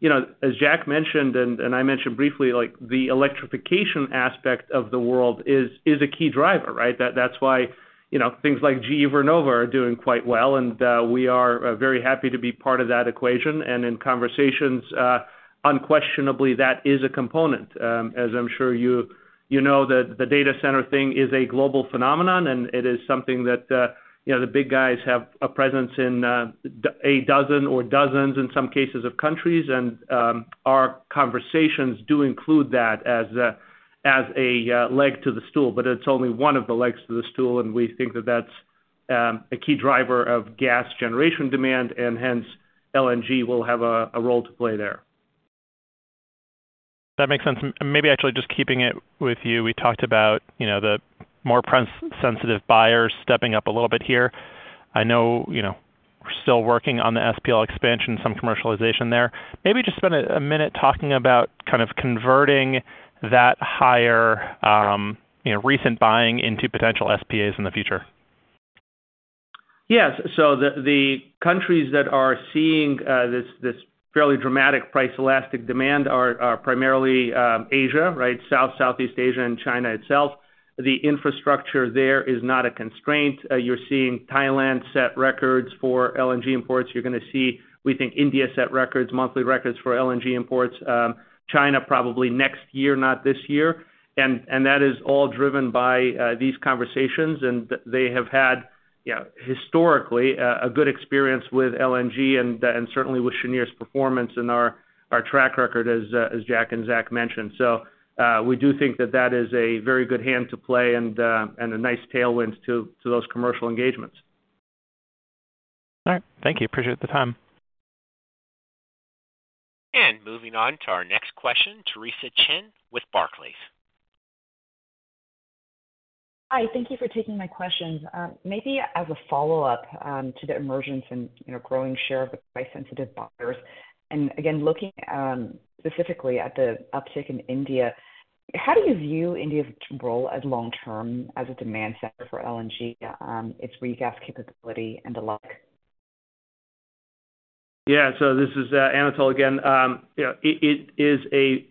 you know, as Jack mentioned, and I mentioned briefly, like, the electrification aspect of the world is a key driver, right? That's why, you know, things like GE Vernova are doing quite well, and we are very happy to be part of that equation. And in conversations, unquestionably, that is a component. As I'm sure you know, that the data center thing is a global phenomenon, and it is something that, you know, the big guys have a presence in, a dozen or dozens in some cases of countries. Our conversations do include that as a leg to the stool, but it's only one of the legs to the stool, and we think that that's a key driver of gas generation demand, and hence, LNG will have a role to play there. That makes sense. And maybe actually just keeping it with you. We talked about, you know, the more price-sensitive buyers stepping up a little bit here. I know, you know, we're still working on the SPL expansion, some commercialization there. Maybe just spend a minute talking about kind of converting that higher, you know, recent buying into potential SPAs in the future.... Yes. So the countries that are seeing this fairly dramatic price-elastic demand are primarily Asia, right? South, Southeast Asia and China itself. The infrastructure there is not a constraint. You're seeing Thailand set records for LNG imports. You're going to see, we think, India set records, monthly records for LNG imports. China, probably next year, not this year. And that is all driven by these conversations, and they have had, yeah, historically, a good experience with LNG and certainly with Cheniere's performance and our track record, as Jack and Zach mentioned. So we do think that that is a very good hand to play and a nice tailwind to those commercial engagements. All right. Thank you. Appreciate the time. Moving on to our next question, Theresa Chen with Barclays. Hi, thank you for taking my questions. Maybe as a follow-up to the emergence and, you know, growing share of the price-sensitive buyers, and again, looking specifically at the uptick in India, how do you view India's role as long term as a demand center for LNG, its regas capability and the like? Yeah. So this is Anatol again. Yeah, it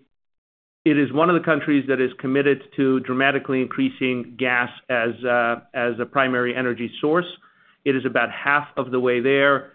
is one of the countries that is committed to dramatically increasing gas as a primary energy source. It is about half of the way there.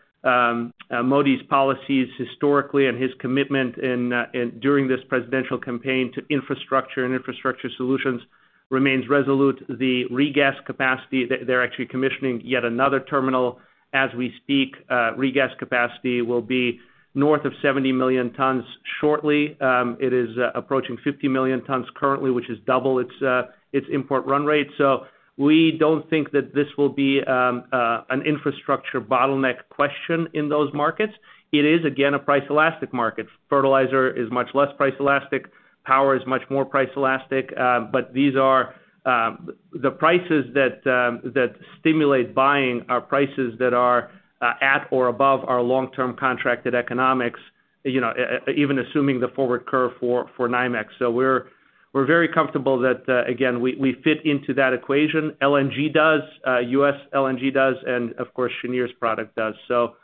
Modi's policies historically and his commitment in during this presidential campaign to infrastructure and infrastructure solutions remains resolute. The regas capacity, they're actually commissioning yet another terminal as we speak. Regas capacity will be north of 70 million tons shortly. It is approaching 50 million tons currently, which is double its import run rate. So we don't think that this will be an infrastructure bottleneck question in those markets. It is, again, a price-elastic market. Fertilizer is much less price-elastic, power is much more price-elastic, but these are... The prices that stimulate buying are prices that are at or above our long-term contracted economics, you know, even assuming the forward curve for NYMEX. So we're very comfortable that, again, we fit into that equation. LNG does, US LNG does, and of course, Cheniere's product does. So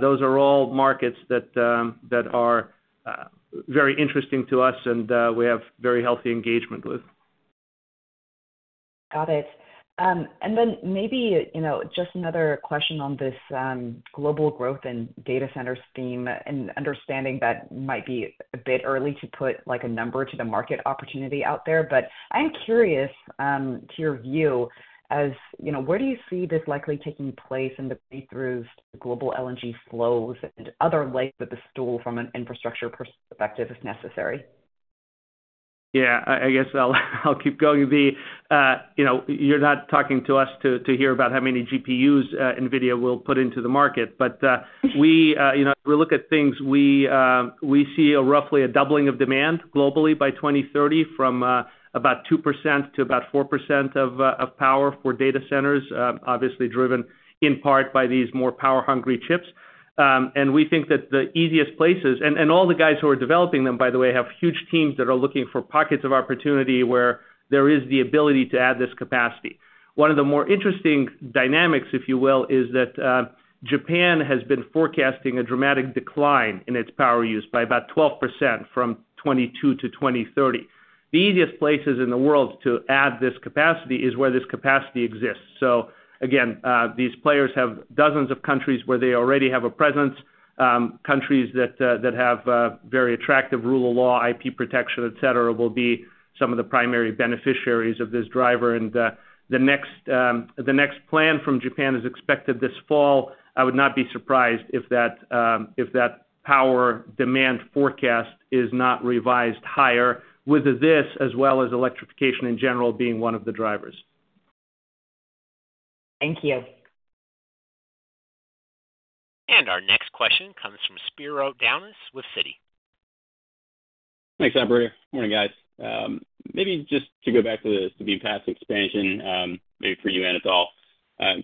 those are all markets that are very interesting to us and we have very healthy engagement with. Got it. And then maybe, you know, just another question on this global growth and data center theme, and understanding that might be a bit early to put, like, a number to the market opportunity out there. But I'm curious to your view, as you know, where do you see this likely taking place in the breakthroughs, global LNG flows and other legs of the stool from an infrastructure perspective, if necessary? Yeah, I guess I'll keep going, V. You know, you're not talking to us to hear about how many GPUs NVIDIA will put into the market. But we you know, we look at things, we see a roughly a doubling of demand globally by 2030, from about 2% to about 4% of power for data centers, obviously driven in part by these more power-hungry chips. And we think that the easiest places, and all the guys who are developing them, by the way, have huge teams that are looking for pockets of opportunity where there is the ability to add this capacity. One of the more interesting dynamics, if you will, is that Japan has been forecasting a dramatic decline in its power use by about 12% from 2022 to 2030. The easiest places in the world to add this capacity is where this capacity exists. So again, these players have dozens of countries where they already have a presence. Countries that have very attractive rule of law, IP protection, et cetera, will be some of the primary beneficiaries of this driver. And the next plan from Japan is expected this fall. I would not be surprised if that power demand forecast is not revised higher, with this, as well as electrification in general, being one of the drivers. Thank you. Our next question comes from Spiro Dounis with Citi. Thanks, operator. Morning, guys. Maybe just to go back to the Sabine Pass Expansion, maybe for you, Anatol.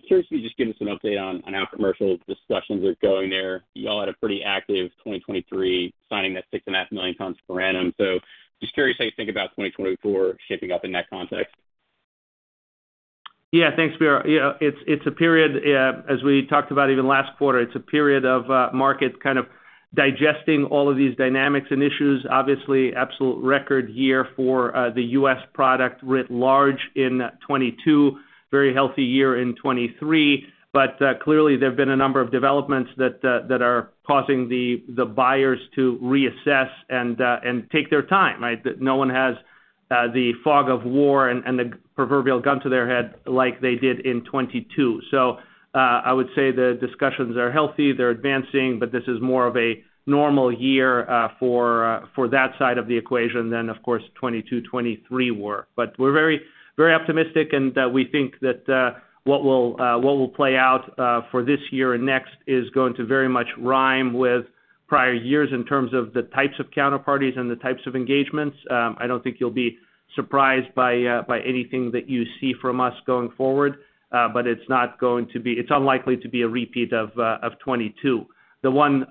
Curious if you can just give us an update on, on how commercial discussions are going there. You all had a pretty active 2023, signing that 6.5 million tons per annum. So just curious how you think about 2024 shaping up in that context. Yeah, thanks, Spiro. Yeah, it's a period, as we talked about even last quarter, it's a period of market kind of digesting all of these dynamics and issues. Obviously, absolute record year for the US product writ large in 2022, very healthy year in 2023. But clearly, there have been a number of developments that are causing the buyers to reassess and take their time, right? That no one has the fog of war and the proverbial gun to their head like they did in 2022. So, I would say the discussions are healthy, they're advancing, but this is more of a normal year for that side of the equation than, of course, 2022, 2023 were. But we're very, very optimistic, and we think that what will play out for this year and next is going to very much rhyme with prior years in terms of the types of counterparties and the types of engagements. I don't think you'll be surprised by anything that you see from us going forward, but it's not going to be, it's unlikely to be a repeat of 2022. The one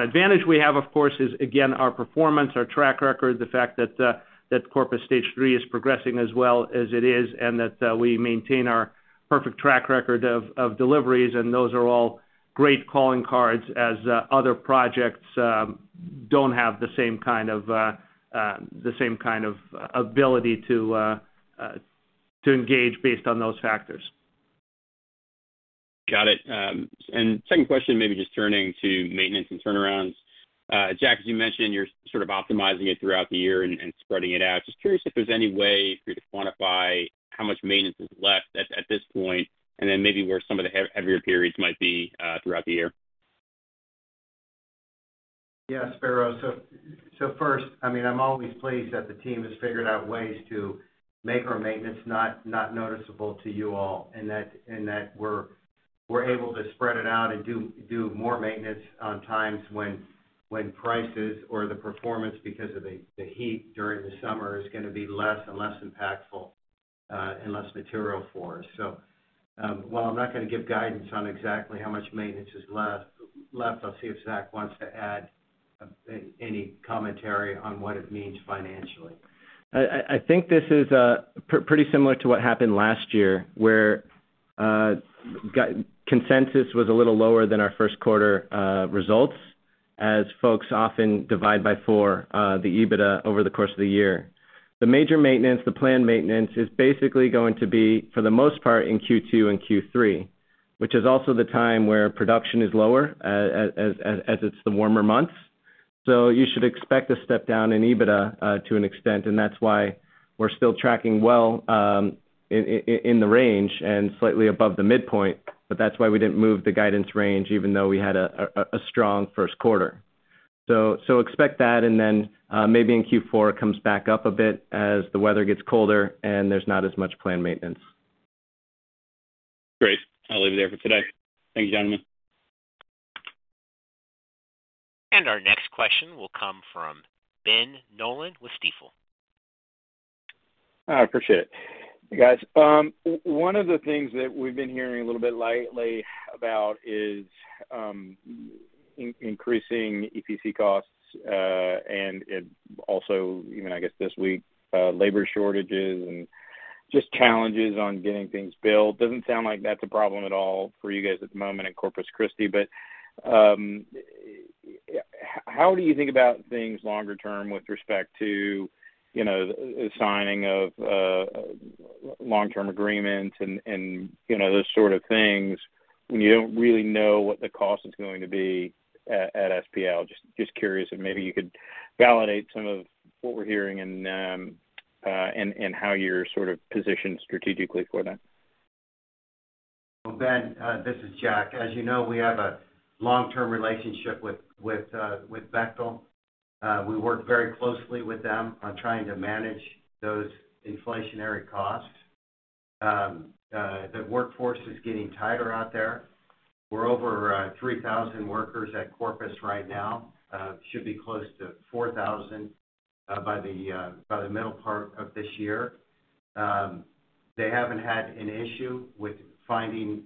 advantage we have, of course, is, again, our performance, our track record, the fact that Corpus Stage 3 is progressing as well as it is, and that we maintain our perfect track record of deliveries, and those are all great calling cards as other projects,... don't have the same kind of ability to engage based on those factors. Got it. And second question, maybe just turning to maintenance and turnarounds. Jack, as you mentioned, you're sort of optimizing it throughout the year and spreading it out. Just curious if there's any way for you to quantify how much maintenance is left at this point, and then maybe where some of the heavier periods might be throughout the year? Yeah, Spiro. So first, I mean, I'm always pleased that the team has figured out ways to make our maintenance not noticeable to you all, and that we're able to spread it out and do more maintenance on times when prices or the performance because of the heat during the summer is gonna be less and less impactful, and less material for us. So while I'm not gonna give guidance on exactly how much maintenance is left, I'll see if Zach wants to add any commentary on what it means financially. I think this is pretty similar to what happened last year, where consensus was a little lower than our first quarter results, as folks often divide by four the EBITDA over the course of the year. The major maintenance, the planned maintenance, is basically going to be, for the most part, in Q2 and Q3, which is also the time where production is lower, as it's the warmer months. So you should expect a step down in EBITDA, to an extent, and that's why we're still tracking well in the range and slightly above the midpoint, but that's why we didn't move the guidance range, even though we had a strong first quarter. So, expect that, and then, maybe in Q4, it comes back up a bit as the weather gets colder, and there's not as much planned maintenance. Great. I'll leave it there for today. Thank you, gentlemen. Our next question will come from Ben Nolan with Stifel. I appreciate it. Hey, guys, one of the things that we've been hearing a little bit lately about is, increasing EPC costs, and it also, even I guess this week, labor shortages and just challenges on getting things built. Doesn't sound like that's a problem at all for you guys at the moment in Corpus Christi, but, how do you think about things longer term with respect to, you know, the signing of, long-term agreements and, you know, those sort of things when you don't really know what the cost is going to be at, at SPL? Just curious if maybe you could validate some of what we're hearing and, and how you're sort of positioned strategically for that. Well, Ben, this is Jack. As you know, we have a long-term relationship with Bechtel. We work very closely with them on trying to manage those inflationary costs. The workforce is getting tighter out there. We're over 3,000 workers at Corpus right now. Should be close to 4,000 by the middle part of this year. They haven't had an issue with finding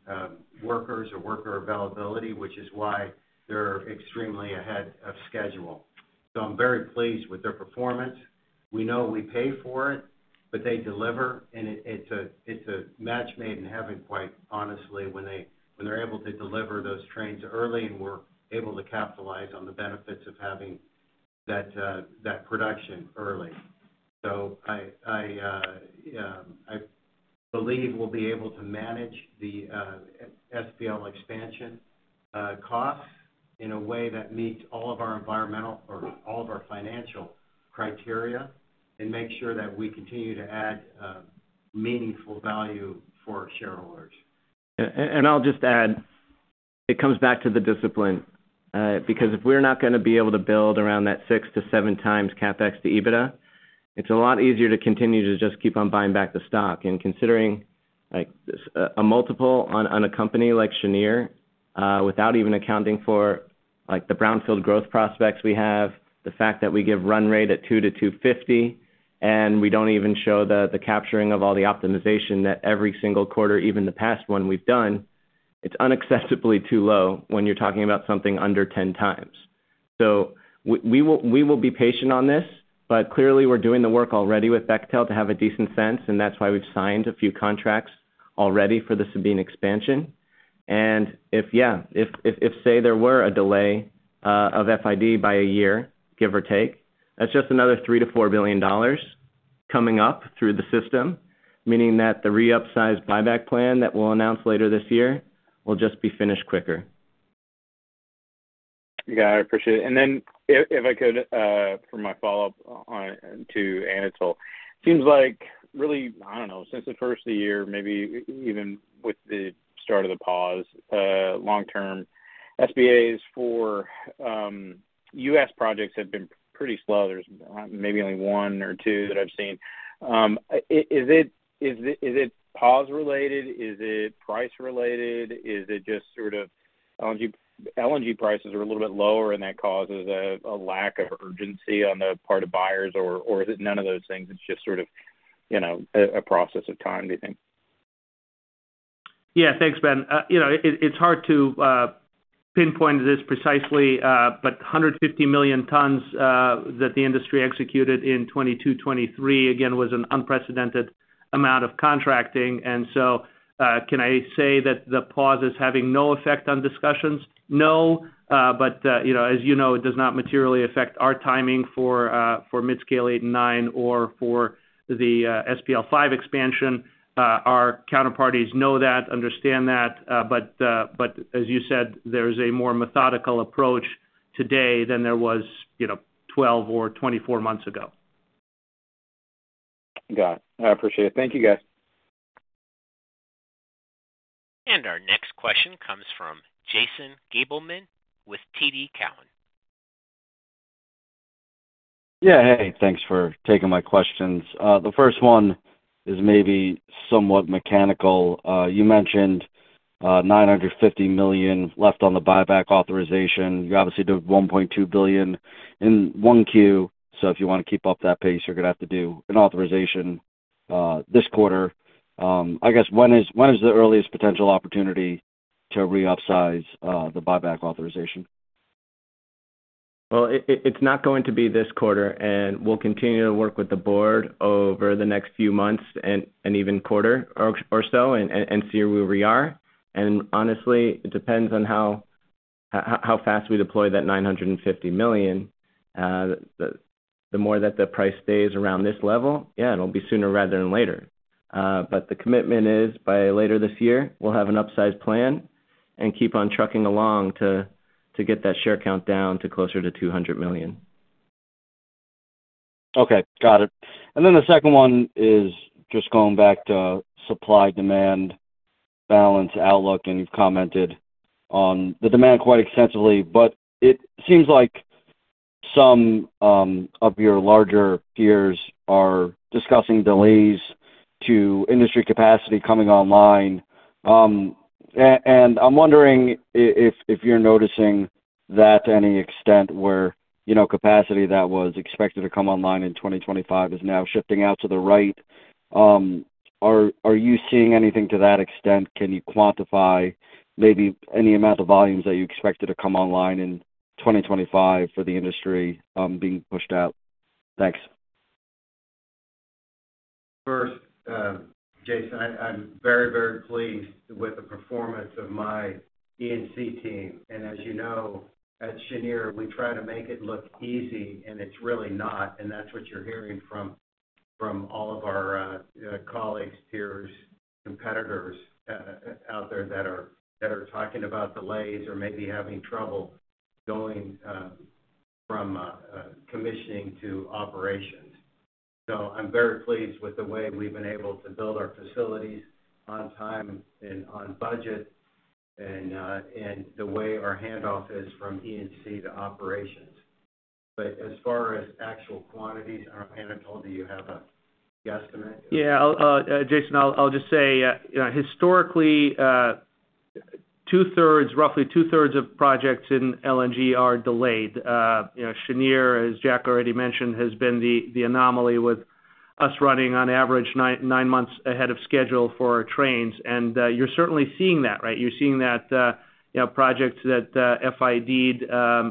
workers or worker availability, which is why they're extremely ahead of schedule. So I'm very pleased with their performance. We know we pay for it, but they deliver, and it's a match made in heaven, quite honestly, when they're able to deliver those trains early, and we're able to capitalize on the benefits of having that production early. So I believe we'll be able to manage the SPL expansion costs in a way that meets all of our environmental or all of our financial criteria and make sure that we continue to add meaningful value for our shareholders. Yeah. And I'll just add, it comes back to the discipline, because if we're not gonna be able to build around that 6-7x CapEx to EBITDA, it's a lot easier to continue to just keep on buying back the stock. And considering, like, a multiple on, on a company like Cheniere, without even accounting for, like, the brownfield growth prospects we have, the fact that we give run rate at 20-25, and we don't even show the, the capturing of all the optimization that every single quarter, even the past one we've done, it's unacceptably too low when you're talking about something under 10x. So we will be patient on this, but clearly, we're doing the work already with Bechtel to have a decent sense, and that's why we've signed a few contracts already for the Sabine expansion. And if, yeah, say, there were a delay of FID by a year, give or take, that's just another $3 billion-$4 billion coming up through the system, meaning that the re-upsized buyback plan that we'll announce later this year will just be finished quicker. Yeah, I appreciate it. And then if I could, for my follow-up to Anatol. Seems like really, I don't know, since the first of the year, maybe even with the start of the pause, long-term SPAs for U.S. projects have been pretty slow. There's maybe only one or two that I've seen. Is it pause related? Is it price related? Is it just sort of LNG prices are a little bit lower, and that causes a lack of urgency on the part of buyers, or is it none of those things? It's just sort of, you know, a process of time, do you think?... Yeah, thanks, Ben. You know, it's hard to pinpoint this precisely, but 150 million tons that the industry executed in 2022, 2023, again, was an unprecedented amount of contracting. And so, can I say that the pause is having no effect on discussions? No. But, you know, as you know, it does not materially affect our timing for Midscale 8 & 9 or for the SPL 5 Expansion. Our counterparties know that, understand that, but, but as you said, there is a more methodical approach today than there was, you know, 12 or 24 months ago. Got it. I appreciate it. Thank you, guys. Our next question comes from Jason Gabelman with TD Cowen. Yeah, hey, thanks for taking my questions. The first one is maybe somewhat mechanical. You mentioned 950 million left on the buyback authorization. You obviously did 1.2 billion in 1Q, so if you want to keep up that pace, you're going to have to do an authorization this quarter. I guess, when is the earliest potential opportunity to re-upsize the buyback authorization? Well, it's not going to be this quarter, and we'll continue to work with the board over the next few months and even quarter or so and see where we are. And honestly, it depends on how fast we deploy that $950 million. The more that the price stays around this level, yeah, it'll be sooner rather than later. But the commitment is by later this year, we'll have an upsized plan and keep on trucking along to get that share count down to closer to 200 million. Okay, got it. And then the second one is just going back to supply-demand balance outlook, and you've commented on the demand quite extensively, but it seems like some of your larger peers are discussing delays to industry capacity coming online. And I'm wondering if you're noticing that to any extent where, you know, capacity that was expected to come online in 2025 is now shifting out to the right. Are you seeing anything to that extent? Can you quantify maybe any amount of volumes that you expected to come online in 2025 for the industry being pushed out? Thanks. First, Jason, I'm very, very pleased with the performance of my E&C team. As you know, at Cheniere, we try to make it look easy, and it's really not, and that's what you're hearing from all of our colleagues, peers, competitors out there that are talking about delays or maybe having trouble going from commissioning to operations. I'm very pleased with the way we've been able to build our facilities on time and on budget, and the way our handoff is from E&C to operations. As far as actual quantities, Anatol, do you have a guesstimate? Yeah, I'll, Jason, I'll just say, historically, two-thirds, roughly two-thirds of projects in LNG are delayed. You know, Cheniere, as Jack already mentioned, has been the anomaly with us running on average nine months ahead of schedule for our trains. And you're certainly seeing that, right? You're seeing that, you know, projects that FID-ed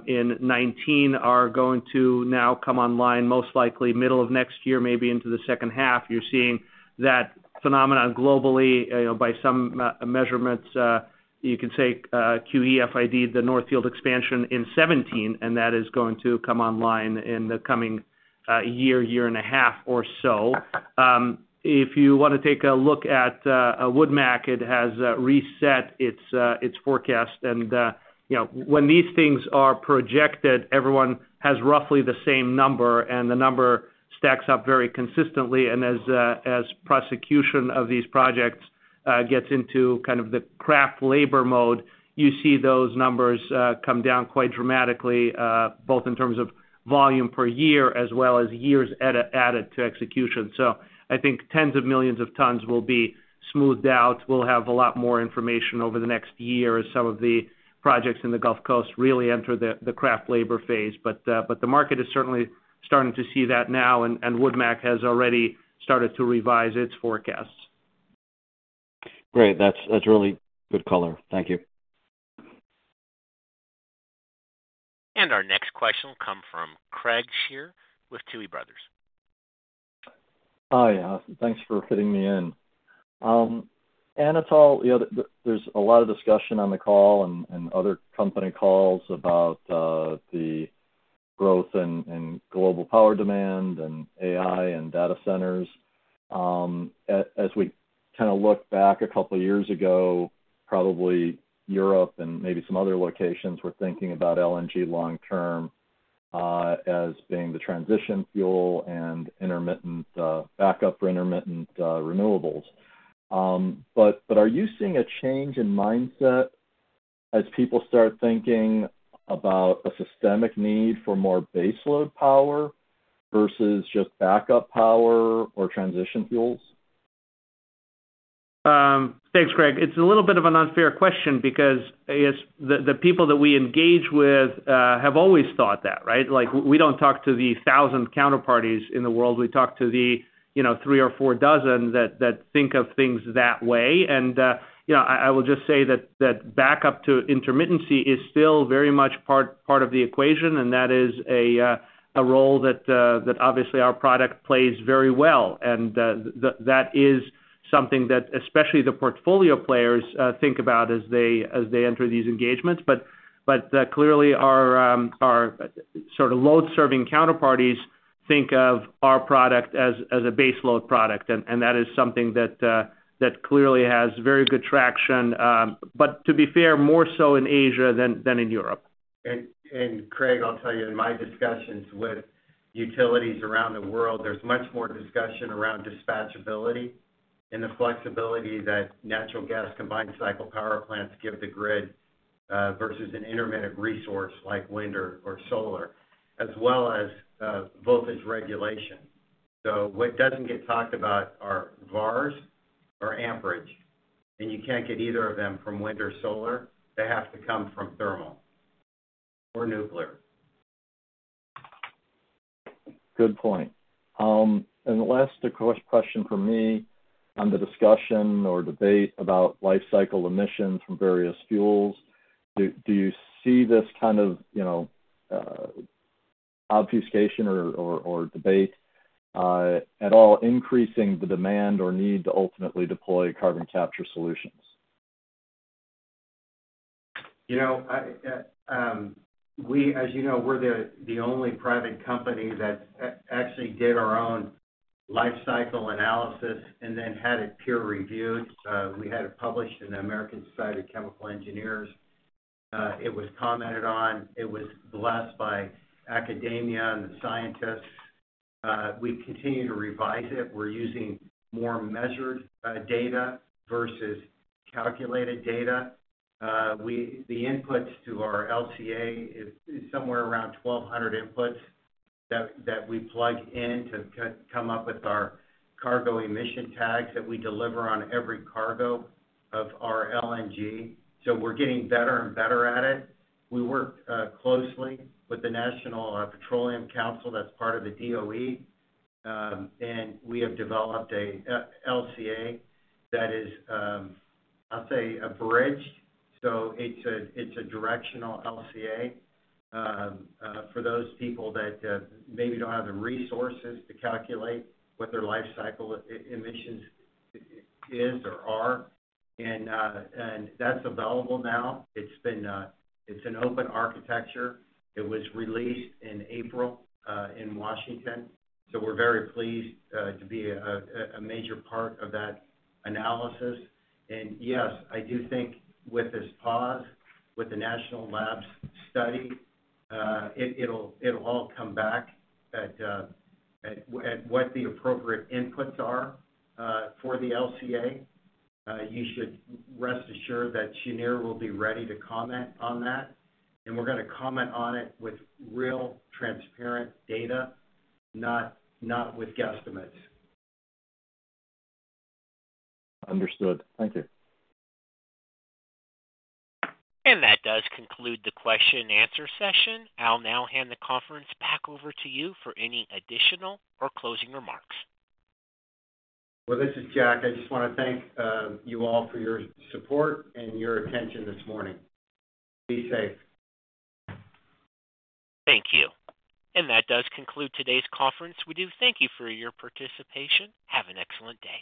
in 2019 are going to now come online, most likely middle of next year, maybe into the second half. You're seeing that phenomenon globally. You know, by some measurements, you could say, Qatar FID-ed the North Field expansion in 2017, and that is going to come online in the coming year and a half or so. If you want to take a look at Wood Mackenzie, it has reset its forecast. You know, when these things are projected, everyone has roughly the same number, and the number stacks up very consistently. As execution of these projects gets into kind of the craft labor mode, you see those numbers come down quite dramatically, both in terms of volume per year as well as years added to execution. So I think tens of millions of tons will be smoothed out. We'll have a lot more information over the next year as some of the projects in the Gulf Coast really enter the craft labor phase. But the market is certainly starting to see that now, and Wood Mackenzie has already started to revise its forecasts. Great. That's really good color. Thank you. Our next question will come from Craig Shere with Tuohy Brothers. Hi, thanks for fitting me in. Anatol, you know, there, there's a lot of discussion on the call and, and other company calls about, the growth and, and global power demand and AI and data centers. As, as we kind of look back a couple of years ago, probably Europe and maybe some other locations were thinking about LNG long term, as being the transition fuel and intermittent, backup for intermittent, renewables. But, but are you seeing a change in mindset as people start thinking about a systemic need for more baseload power versus just backup power or transition fuels? Thanks, Craig. It's a little bit of an unfair question because, I guess, the people that we engage with have always thought that, right? Like, we don't talk to the 1,000 counterparties in the world. We talk to the—you know, three or four dozen that think of things that way. And you know, I will just say that backup to intermittency is still very much part of the equation, and that is a role that obviously our product plays very well. And that is something that, especially the portfolio players, think about as they enter these engagements. But clearly, our sort of load-serving counterparties think of our product as a base load product, and that is something that clearly has very good traction. But to be fair, more so in Asia than in Europe. Craig, I'll tell you, in my discussions with utilities around the world, there's much more discussion around dispatchability and the flexibility that natural gas combined cycle power plants give the grid, versus an intermittent resource like wind or solar, as well as, voltage regulation. So what doesn't get talked about are VARs or amperage, and you can't get either of them from wind or solar. They have to come from thermal or nuclear. Good point. The last question for me on the discussion or debate about life cycle emissions from various fuels, do you see this kind of, you know, obfuscation or debate at all increasing the demand or need to ultimately deploy carbon capture solutions? You know, as you know, we're the only private company that actually did our own life cycle analysis and then had it peer-reviewed. We had it published in the American Society of Chemical Engineers. It was commented on, it was blessed by academia and the scientists. We continue to revise it. We're using more measured data versus calculated data. The inputs to our LCA is somewhere around 1,200 inputs that we plug in to come up with our cargo emission tags that we deliver on every cargo of our LNG. So we're getting better and better at it. We work closely with the National Petroleum Council, that's part of the DOE, and we have developed a LCA that is, I'll say, abridged. So it's a, it's a directional LCA, for those people that, maybe don't have the resources to calculate what their life cycle emissions is or are. And that's available now. It's been, it's an open architecture. It was released in April, in Washington. So we're very pleased, to be a major part of that analysis. And yes, I do think with this pause, with the National Labs study, it, it'll all come back at, at what the appropriate inputs are, for the LCA. You should rest assured that Cheniere will be ready to comment on that, and we're gonna comment on it with real, transparent data, not with guesstimates. Understood. Thank you. That does conclude the question and answer session. I'll now hand the conference back over to you for any additional or closing remarks. Well, this is Jack. I just want to thank you all for your support and your attention this morning. Be safe. Thank you. That does conclude today's conference. We do thank you for your participation. Have an excellent day.